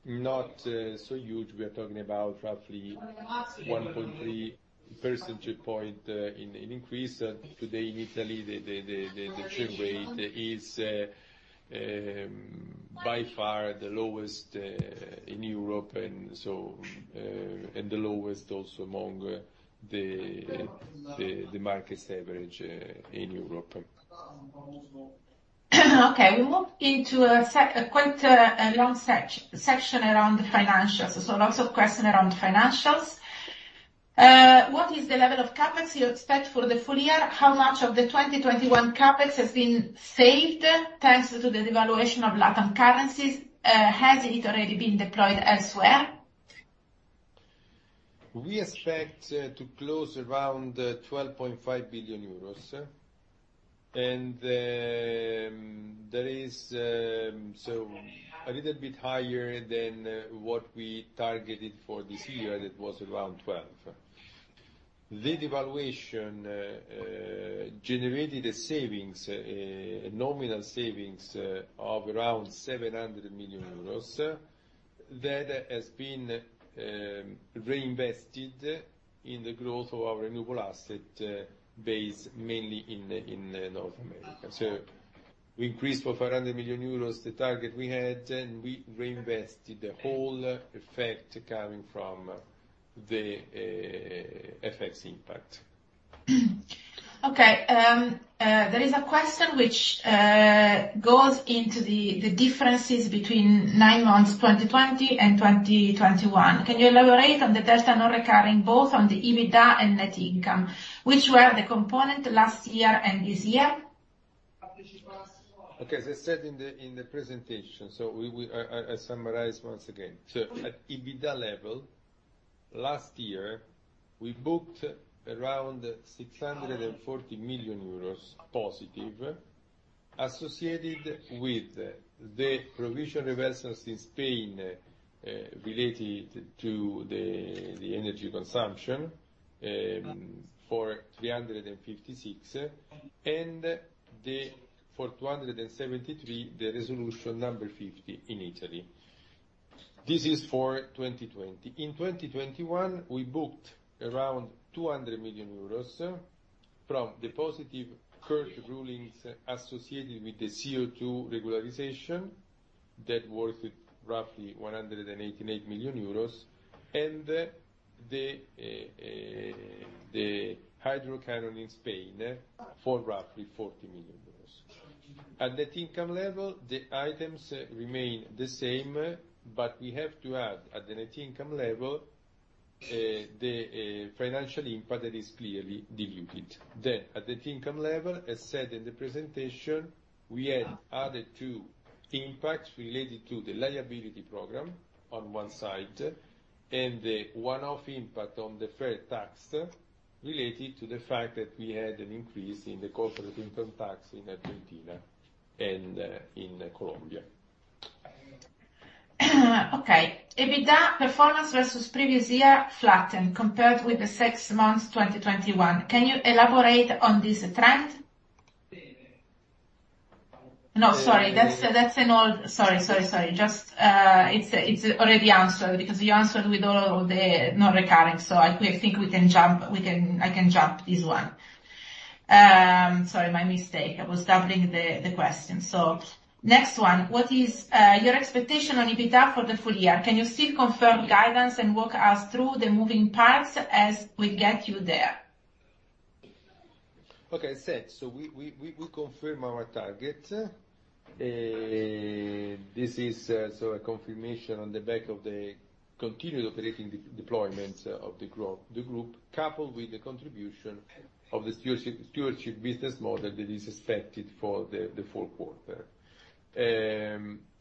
not so huge. We are talking about roughly 1.3% point in increase. Today in Italy, the churn rate is by far the lowest in Europe and the lowest also among the market's average in Europe. Okay, we move into quite a long section around financials. Lots of questions around financials. What is the level of CapEx you expect for the full year? How much of the 2021 CapEx has been saved, thanks to the devaluation of LatAm currencies? Has it already been deployed elsewhere? We expect to close around 12.5 billion euros, and that is so a little bit higher than what we targeted for this year. That was around 12. The devaluation generated a savings, a nominal savings, of around 700 million euros, that has been reinvested in the growth of our renewable asset base, mainly in North America. We increased for 400 million euros the target we had, and we reinvested the whole effect coming from the FX impact. Okay, there is a question which goes into the differences between nine months, 2020 and 2021. Can you elaborate on the delta non-recurring, both on the EBITDA and net income? Which were the components last year and this year? Okay. As I said in the presentation, I summarize once again. At EBITDA level, last year, we booked around 640 million euros positive associated with the provision reversals in Spain related to the energy consumption for 356 million, and for 273 million, Resolution 50 in Italy. This is for 2020. In 2021, we booked around 200 million euros from the positive court rulings associated with the CO2 regularization. That worth roughly EUR 188 million, and the hydro cannon in Spain for roughly 40 million euros. At net income level, the items remain the same, but we have to add at the net income level the financial impact that is clearly diluted. At net income level, as said in the presentation, we had other two impacts related to the liability program on one side, and the one-off impact on the fair tax related to the fact that we had an increase in the corporate income tax in Argentina and in Colombia. Okay, EBITDA performance versus previous year flattened compared with the six months, 2021. Can you elaborate on this trend? No, sorry. That's an old. Sorry. It's already answered because you answered with all the non-recurring. I think we can jump, I can jump this one. Sorry, my mistake. I was doubling the question. Next one. What is your expectation on EBITDA for the full year? Can you still confirm guidance and walk us through the moving parts as we get you there? We confirm our target. This is a confirmation on the back of the continued operating deployment of the group, coupled with the contribution of the stewardship business model that is expected for the fourth quarter.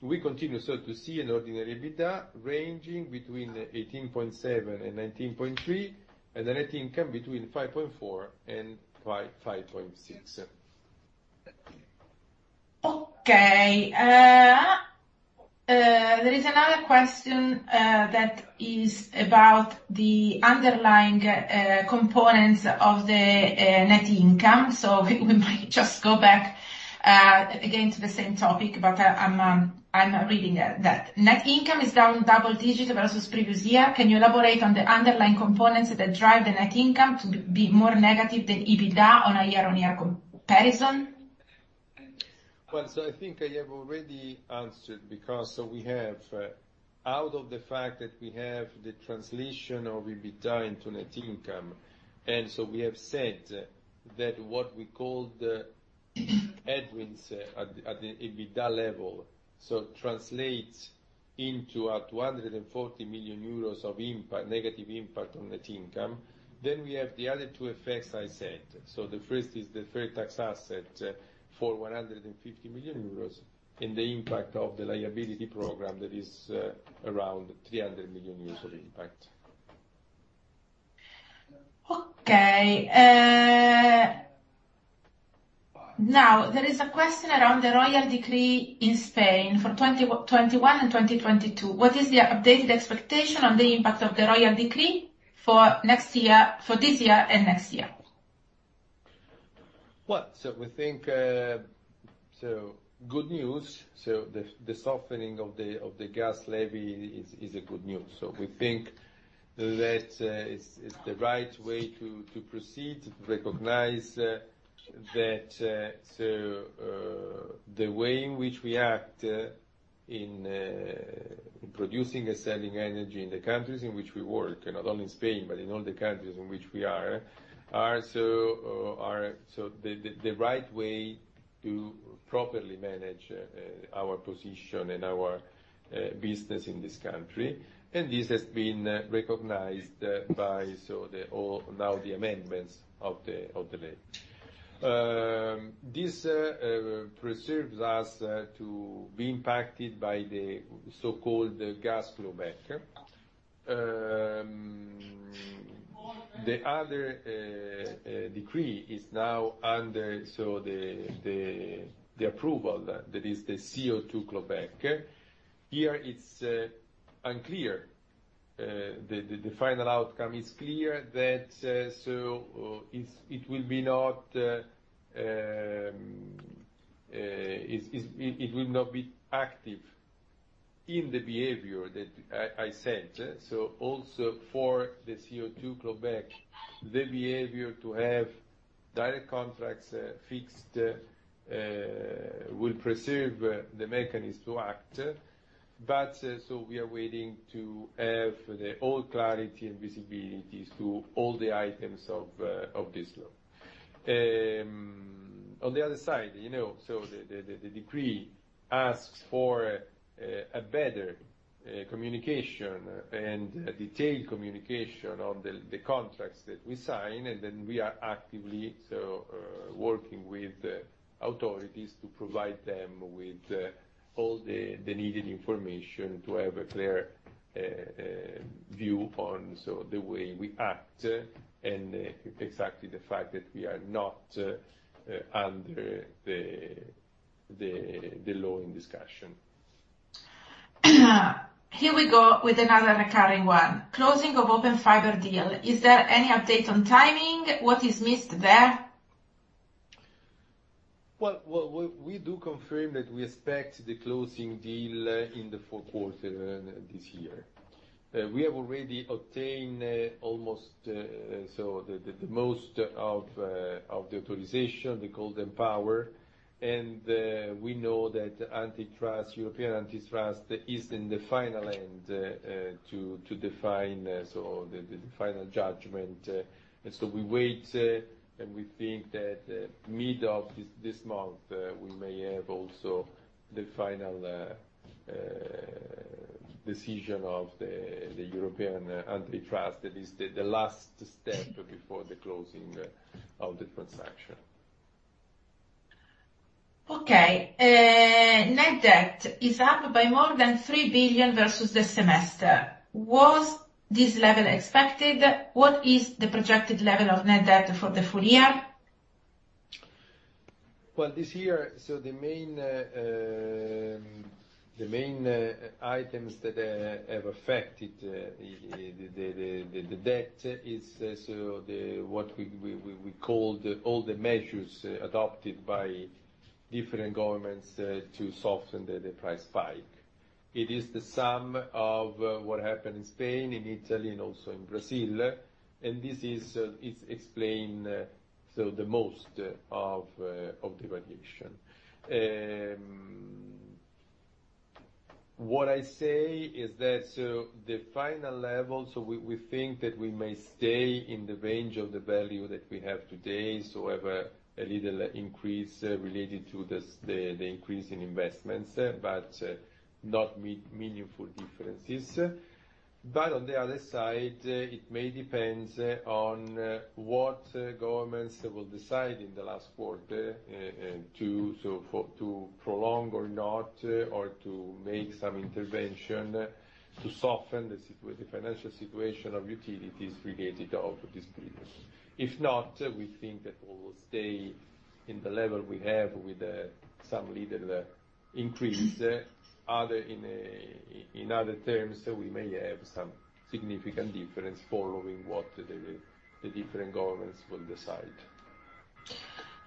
We continue to see an ordinary EBITDA ranging between 18.7 and 19.3, and the net income between 5.4 and 5.6. Okay. There is another question that is about the underlying components of the net income. We might just go back again to the same topic, but I'm reading that net income is down double digits versus previous year. Can you elaborate on the underlying components that drive the net income to be more negative than EBITDA on a year-on-year comparison? Well, I think I have already answered because we have out of the fact that we have the translation of EBITDA into net income, and we have said that what we call the headwinds at the EBITDA level translates into a 240 million euros of impact, negative impact on net income. We have the other two effects I said. The first is the deferred tax asset for 150 million euros and the impact of the liability program that is around 300 million euros of impact. Okay. Now there is a question around the royal decree in Spain for 2021 and 2022. What is the updated expectation on the impact of the royal decree for this year and next year? Well, we think it's good news. The softening of the gas levy is good news. We think that it's the right way to proceed, recognize that the way in which we act in producing and selling energy in the countries in which we work, and not only in Spain, but in all the countries in which we are are the right way to properly manage our position and our business in this country. This has been recognized by the authorities. Now the amendments of the law. This preserves us from being impacted by the so-called gas clawback. The other decree is now under the approval that is the CO2 clawback. Here it's unclear. The final outcome is clear that it will not be active in the behavior that I said. Also for the CO2 clawback, the behavior to have direct contracts fixed will preserve the mechanism to act. We are waiting to have the all clarity and visibilities to all the items of this law. On the other side, you know, the decree asks for a better communication and a detailed communication on the contracts that we sign, and then we are actively working with the authorities to provide them with all the needed information to have a clear view on the way we act and exactly the fact that we are not under the law in discussion. Here we go with another recurring one. Closing of Open Fiber deal. Is there any update on timing? What is missed there? Well, we do confirm that we expect the closing deal in the fourth quarter this year. We have already obtained almost the most of the authorization, the golden power, and we know that European antitrust is in the final end to define the final judgment. We wait, and we think that mid of this month we may have also the final decision of the European antitrust. That is the last step before the closing of the transaction. Okay. Net debt is up by more than 3 billion versus the semester. Was this level expected? What is the projected level of net debt for the full year? Well, this year the main items that have affected the debt is what we call all the measures adopted by different governments to soften the price spike. It is the sum of what happened in Spain, in Italy, and also in Brazil, and this explains most of the variation. What I say is that the final level we think that we may stay in the range of the value that we have today, have a little increase related to this, the increase in investments, but not meaningful differences. On the other side, it may depends on what governments will decide in the last quarter to prolong or not or to make some intervention to soften the financial situation of utilities related to this business. If not, we think that we will stay in the level we have with some little increase. Otherwise, in other terms, we may have some significant difference following what the different governments will decide.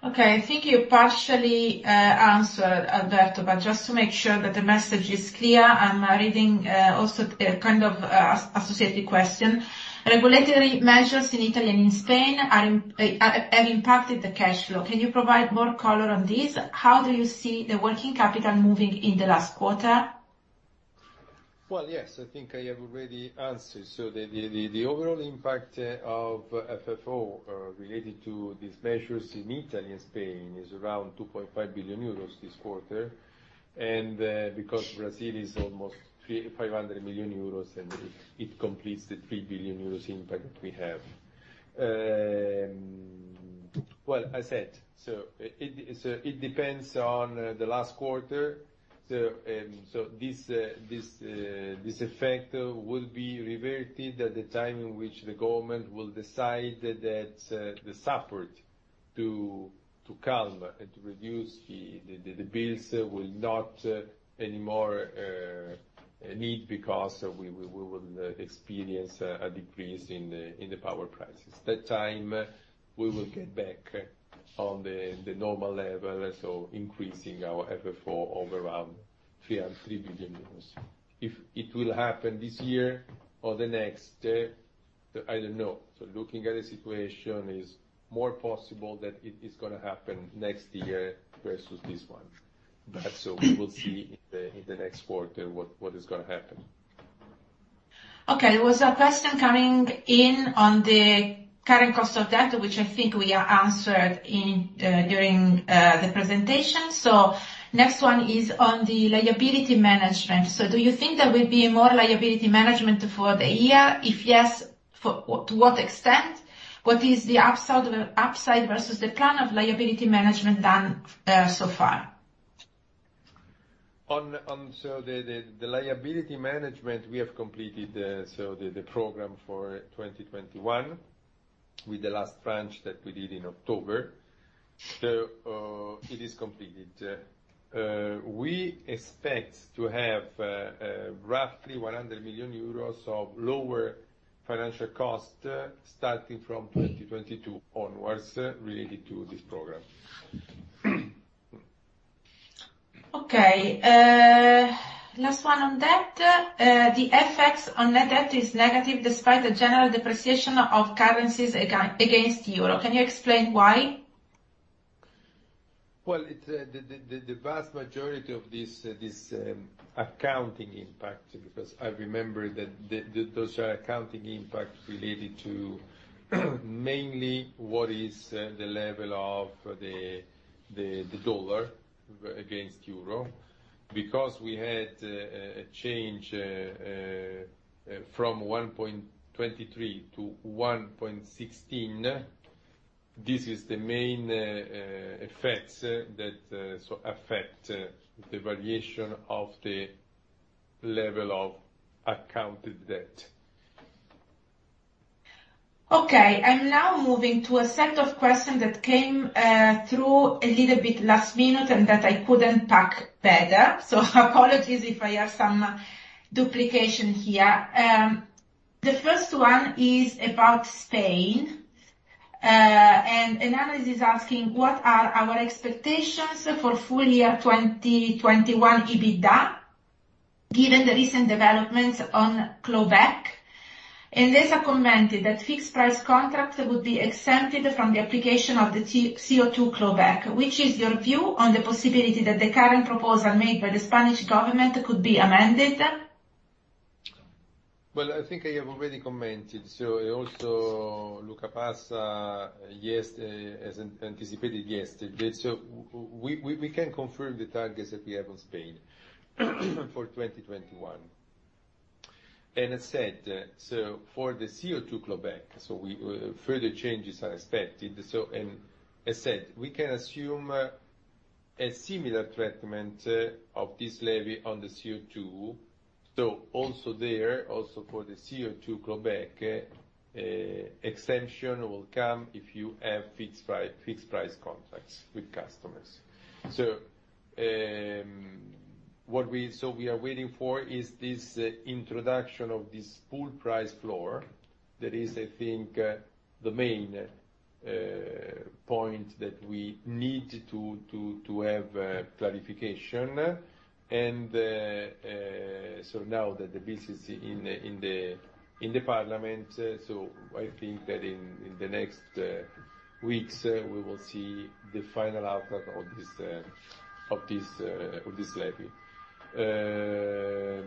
Okay. I think you partially answered, Alberto, but just to make sure that the message is clear, I'm reading also kind of an associated question. Regulatory measures in Italy and in Spain have impacted the cash flow. Can you provide more color on this? How do you see the working capital moving in the last quarter? Well, yes, I think I have already answered. The overall impact of FFO related to these measures in Italy and Spain is around 2.5 billion euros this quarter. Because Brazil is almost 500 million euros, and it completes the 3 billion euros impact we have. It depends on the last quarter. This effect will be reverted at the time in which the government will decide that the support to calm and to reduce the bills will not anymore need because we will experience a decrease in the power prices. That time we will get back on the normal level, increasing our FFO of around 3 billion euros. If it will happen this year or the next, I don't know. Looking at the situation, it's more possible that it is gonna happen next year versus this one. We will see in the next quarter what is gonna happen. Okay. There was a question coming in on the current cost of debt, which I think we are answered in during the presentation. Next one is on the liability management. Do you think there will be more liability management for the year? If yes, to what extent? What is the upside versus the plan of liability management done so far? The liability management we have completed the program for 2021 with the last tranche that we did in October. It is completed. We expect to have roughly 100 million euros of lower financial cost starting from 2022 onwards related to this program. Okay. Last one on debt. The effects on net debt is negative despite the general depreciation of currencies against Euro. Can you explain why? Well, the vast majority of this accounting impact, because I remember that those are accounting impacts related to mainly what is the level of the dollar against euro. We had a change from 1.23 to 1.16. This is the main effects that so affect the variation of the level of accounted debt. Okay. I'm now moving to a set of questions that came through a little bit last minute and that I couldn't pack better. Apologies if I have some duplication here. The first one is about Spain. An analyst asking what are our expectations for full year 2021 EBITDA, given the recent developments on clawback. There's a comment that fixed price contracts would be exempted from the application of the CO2 clawback. Which is your view on the possibility that the current proposal made by the Spanish government could be amended? Well, I think I have already commented. Also Luca Passa, yes, as anticipated yesterday. We can confirm the targets that we have on Spain for 2021. I said, for the CO2 clawback, further changes are expected. I said, we can assume a similar treatment of this levy on the CO2. Also there, also for the CO2 clawback, exemption will come if you have fixed price contracts with customers. What we are waiting for is this introduction of this full price floor. That is, I think, the main point that we need to have clarification. Now that the bill is in the parliament, I think that in the next weeks we will see the final outcome of this levy. The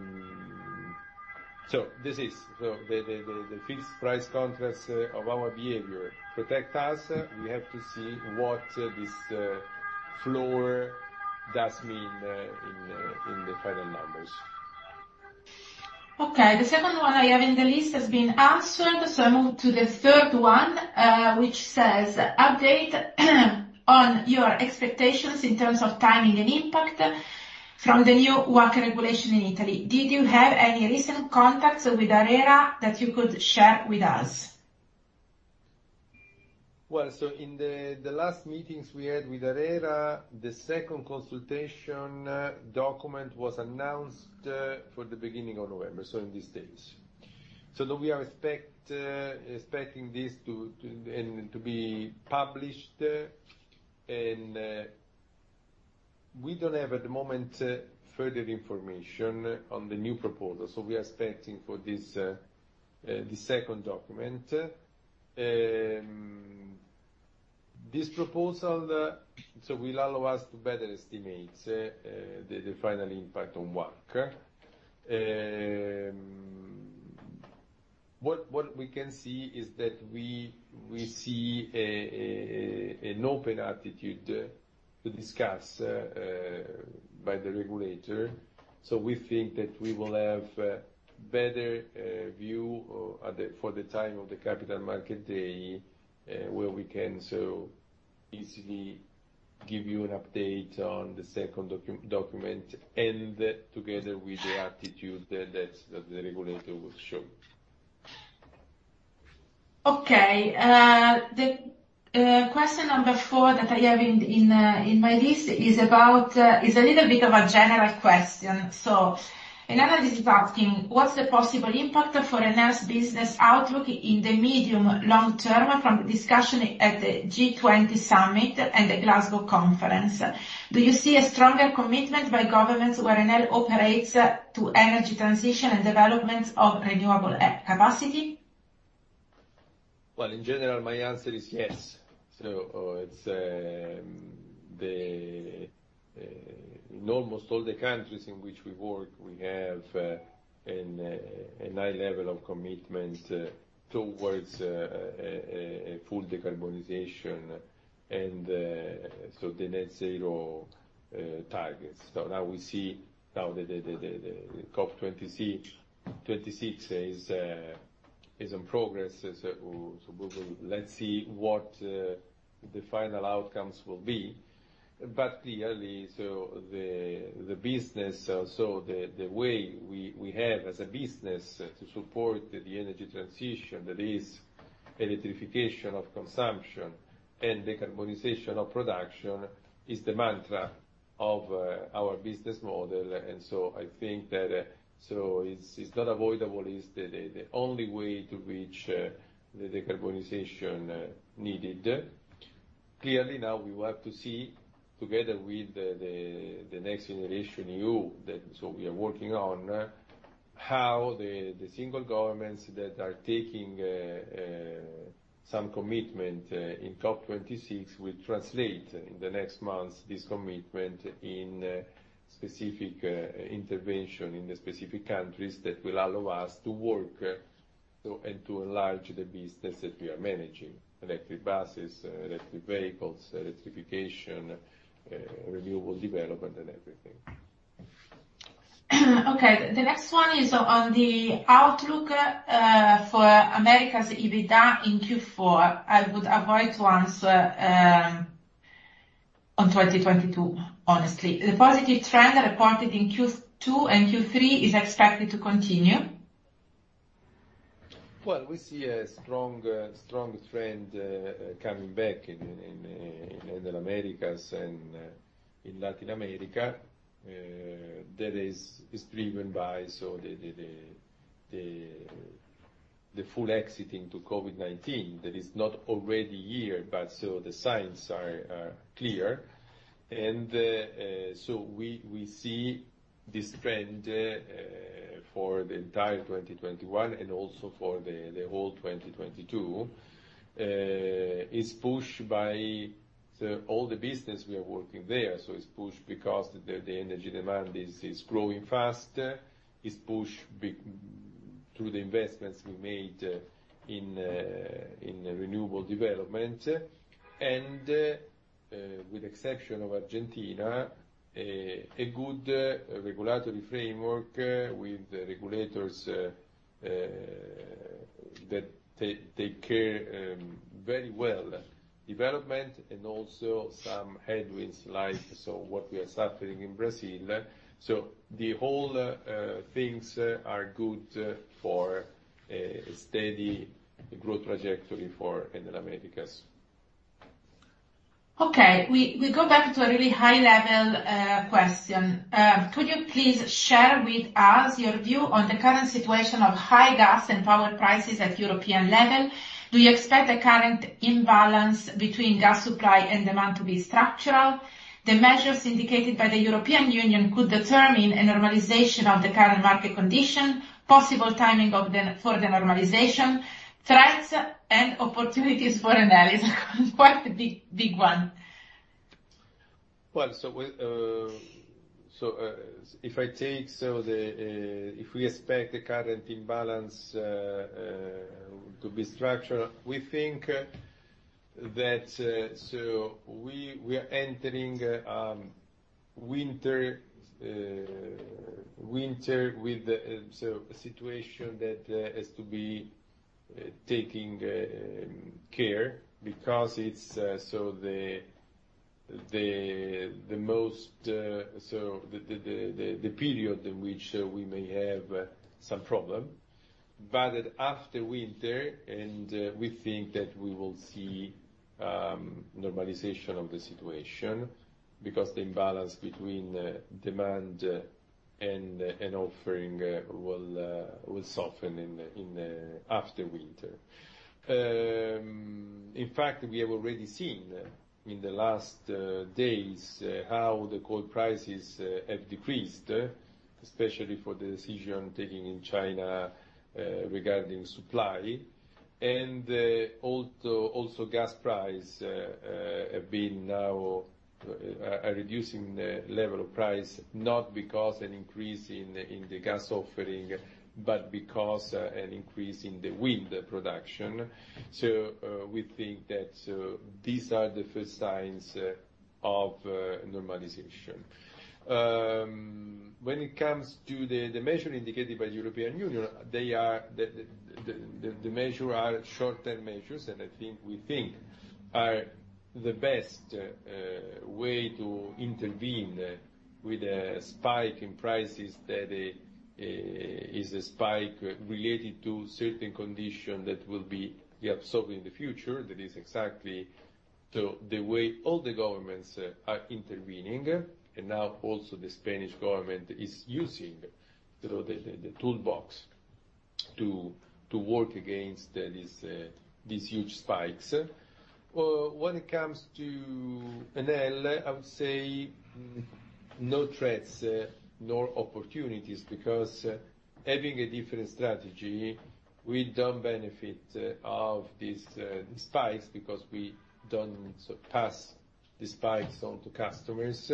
fixed price contracts of our portfolio protect us. We have to see what this law does mean in the final numbers. Okay, the second one I have in the list has been answered, so I move to the third one, which says, update on your expectations in terms of timing and impact from the new work regulation in Italy. Did you have any recent contacts with ARERA that you could share with us? Well, in the last meetings we had with ARERA, the second consultation document was announced for the beginning of November, in these days. We are expecting this to be published, and we don't have at the moment further information on the new proposal, so we are expecting for this the second document. This proposal will allow us to better estimate the final impact on EBITDA. What we can see is that we see an open attitude to discuss by the regulator. We think that we will have better view or at the, for the time of the Capital Markets Day, where we can so easily give you an update on the second document and together with the latitude that the regulator will show. Okay. The question number four that I have in my list is about. It is a little bit of a general question. An analyst is asking: What's the possible impact for Enel's business outlook in the medium long term from the discussion at the G20 summit and the Glasgow conference? Do you see a stronger commitment by governments where Enel operates to energy transition and developments of renewable capacity? Well, in general, my answer is yes. In almost all the countries in which we work, we have a high level of commitment towards a full decarbonization, and so the net zero targets. Now we see the COP26 is in progress. We will see what the final outcomes will be. Clearly, the business, the way we have as a business to support the energy transition, that is electrification of consumption and decarbonization of production, is the mantra of our business model. I think that it's not avoidable. It's the only way to reach the decarbonization needed. Clearly now we will have to see together with the NextGenerationEU. We are working on how the single governments that are taking some commitment in COP26 will translate in the next months this commitment in specific intervention in the specific countries that will allow us to work to enlarge the business that we are managing, electric buses, electric vehicles, electrification, renewable development and everything. Okay. The next one is on the outlook for Americas EBITDA in Q4. I would avoid to answer on 2022, honestly. The positive trend reported in Q2 and Q3 is expected to continue. Well, we see a strong trend coming back in Latin America. That is driven by the full exit from COVID-19, that is not already here, but the signs are clear. We see this trend for the entire 2021 and also for the whole 2022, is pushed by all the business we are working there. It's pushed because the energy demand is growing faster. It's pushed through the investments we made in renewable development. With exception of Argentina, a good regulatory framework with the regulators that take care very well of development and also some headwinds like what we are suffering in Brazil. The whole things are good for a steady growth trajectory for Enel Americas. Okay. We go back to a really high level question. Could you please share with us your view on the current situation of high gas and power prices at European level? Do you expect the current imbalance between gas supply and demand to be structural? The measures indicated by the European Union could determine a normalization of the current market condition, possible timing for the normalization, threats and opportunities for Enel. It's quite a big one. If we expect the current imbalance to be structural, we think that we are entering winter with a situation that has to be taken care because it's the period in which we may have some problem. After winter, we think that we will see normalization of the situation because the imbalance between demand and offering will soften after winter. In fact, we have already seen in the last days how the coal prices have decreased, especially for the decision taken in China regarding supply. Also gas price have been now reducing the level of price, not because an increase in the gas offering, but because an increase in the wind production. We think that these are the first signs of normalization. When it comes to the measure indicated by the European Union, they are short-term measures, and we think are the best way to intervene with a spike in prices that is a spike related to certain condition that will be solved in the future. That is exactly the way all the governments are intervening. Now also the Spanish government is using the toolbox to work against these huge spikes. When it comes to Enel, I would say no threats nor opportunities, because having a different strategy, we don't benefit from these spikes because we don't pass the spikes on to customers.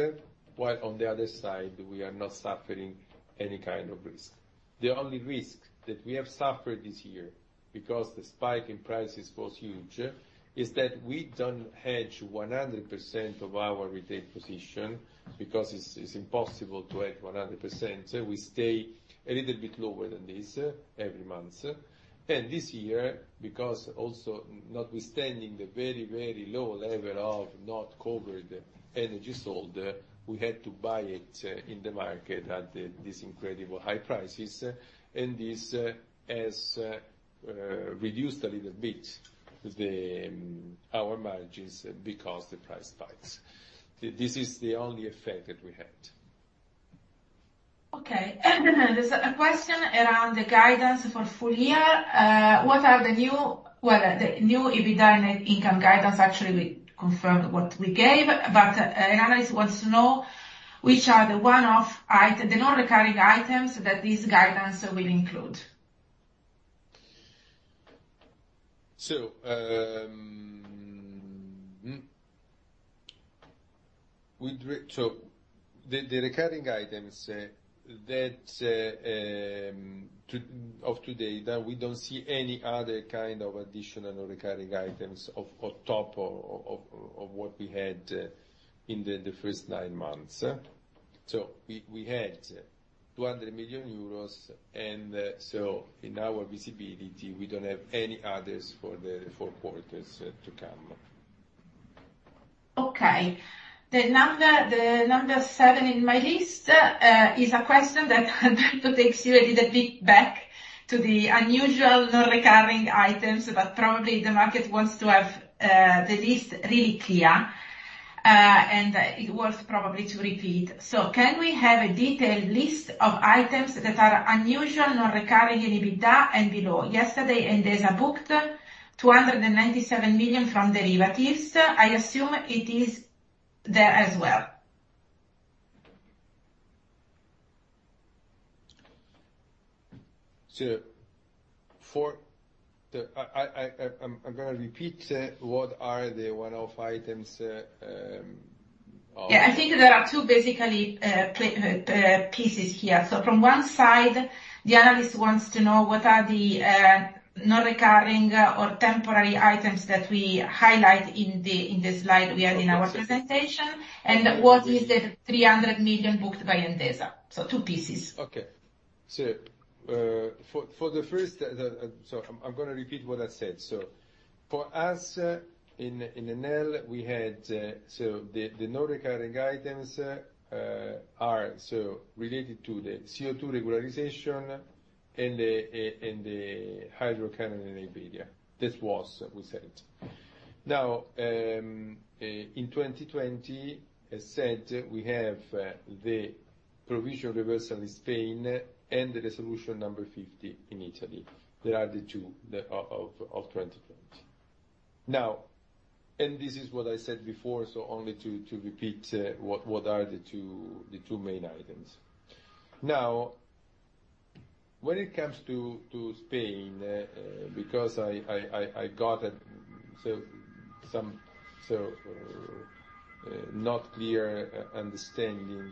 While on the other side, we are not suffering any kind of risk. The only risk that we have suffered this year, because the spike in prices was huge, is that we don't hedge 100% of our retail position because it's impossible to hedge 100%. We stay a little bit lower than this every month. This year, because also notwithstanding the very, very low level of not covered energy sold, we had to buy it in the market at these incredible high prices, and this has reduced a little bit our margins because the price spikes. This is the only effect that we had. Okay. There's a question around the guidance for full year. What are the new EBITDA net income guidance? Well, the new EBITDA net income guidance, actually, we confirmed what we gave, but analyst wants to know which are the one-off items, the non-recurring items that this guidance will include. The recurring items of today that we don't see any other kind of additional recurring items on top of what we had in the first nine months. We had 200 million euros and in our visibility, we don't have any others for the four quarters to come. Okay. The number seven in my list is a question that takes you a little bit back to the unusual non-recurring items, but probably the market wants to have the list really clear, and it worth probably to repeat. Can we have a detailed list of items that are unusual non-recurring in EBITDA and below? Yesterday, Endesa booked 297 million from derivatives. I assume it is there as well. I'm gonna repeat what are the one-off items. Yeah, I think there are two basically pieces here. From one side, the analyst wants to know what are the non-recurring or temporary items that we highlight in the slide we had in our presentation, and what is the 300 million booked by Endesa. Two pieces. I'm gonna repeat what I said. For us in Enel, we had the non-recurring items are so related to the CO2 regularization and the hydro canon in EBITDA. This was, we said. In 2020, as said, we have the provision reversal in Spain and the Resolution 50 in Italy. They are the two that are of 2020. This is what I said before, only to repeat what are the two main items. When it comes to Spain, because I got some not clear understanding,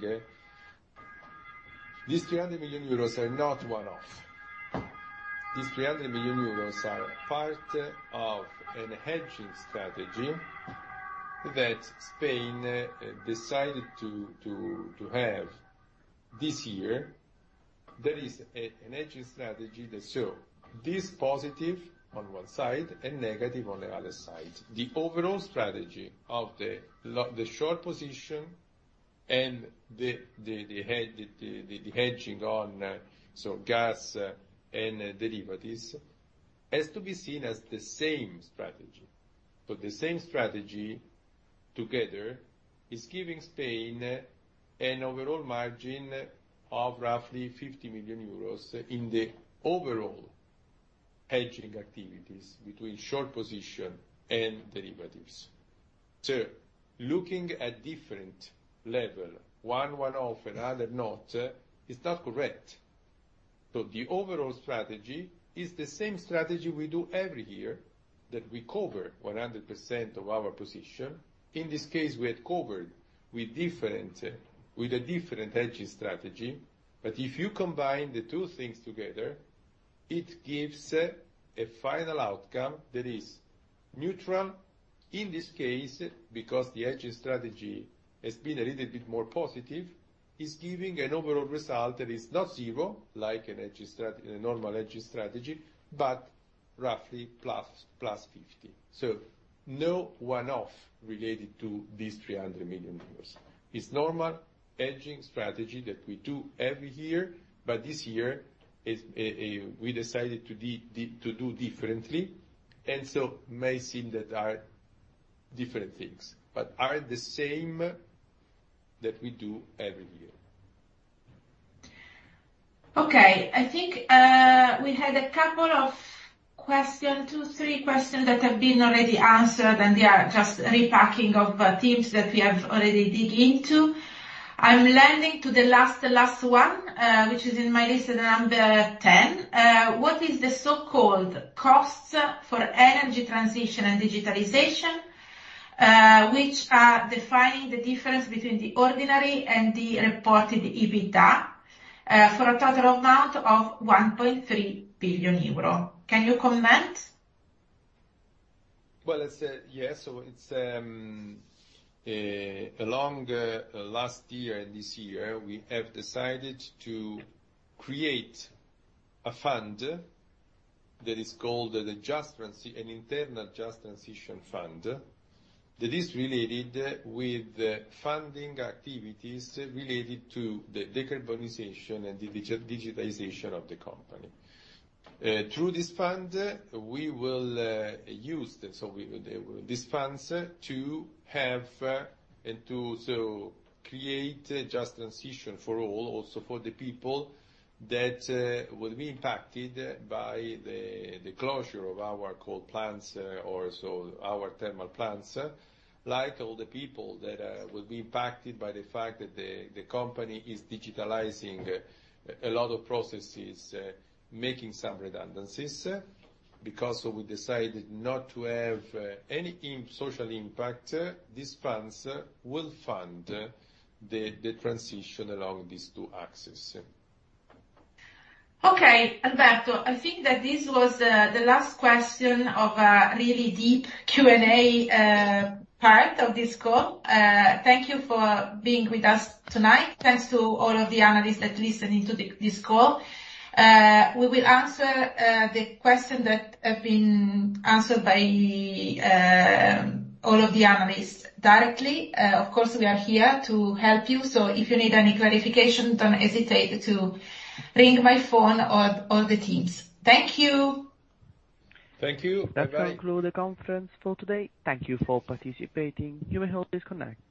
these 300 million euros are not one-off. These 300 million euros are part of a hedging strategy that Spain decided to have this year. There is a hedging strategy that shows this positive on one side and negative on the other side. The overall strategy of the short position and the hedging on gas and derivatives has to be seen as the same strategy. The same strategy together is giving Spain an overall margin of roughly 50 million euros in the overall hedging activities between short position and derivatives. Looking at different level, one-off, another not, is not correct. The overall strategy is the same strategy we do every year, that we cover 100% of our position. In this case, we had covered with a different hedging strategy. If you combine the two things together, it gives a final outcome that is neutral. In this case, because the hedging strategy has been a little bit more positive, it's giving an overall result that is not zero, like a normal hedging strategy, but roughly +50. No one-off related to these 300 million euros. It's normal hedging strategy that we do every year, but this year, we decided to do differently, and so it may seem they are different things, but they are the same that we do every year. Okay. I think we had a couple of questions, two, three questions that have been already answered, and they are just repacking of themes that we have already dig into. I'm landing to the last one, which is in my list number 10. What is the so-called costs for energy transition and digitalization, which are defining the difference between the ordinary and the reported EBITDA, for a total amount of 1.3 billion euro? Can you comment? Last year and this year, we have decided to create a fund that is called an internal Just Transition Fund, that is related with funding activities related to the decarbonization and digitization of the company. Through this fund, we will use this fund to have and to create a just transition for all, also for the people that will be impacted by the closure of our coal plants or our thermal plants. Like all the people that will be impacted by the fact that the company is digitizing a lot of processes, making some redundancies. Because we decided not to have any immediate social impact, these funds will fund the transition along these two axes. Okay. Alberto, I think that this was the last question of a really deep Q&A part of this call. Thank you for being with us tonight. Thanks to all of the analysts that listen in to this call. We will answer the question that have been answered by all of the analysts directly. Of course, we are here to help you, so if you need any clarification, don't hesitate to ring my phone or all the teams. Thank you. Thank you. Bye-bye. That concludes the conference for today. Thank you for participating. You may all disconnect.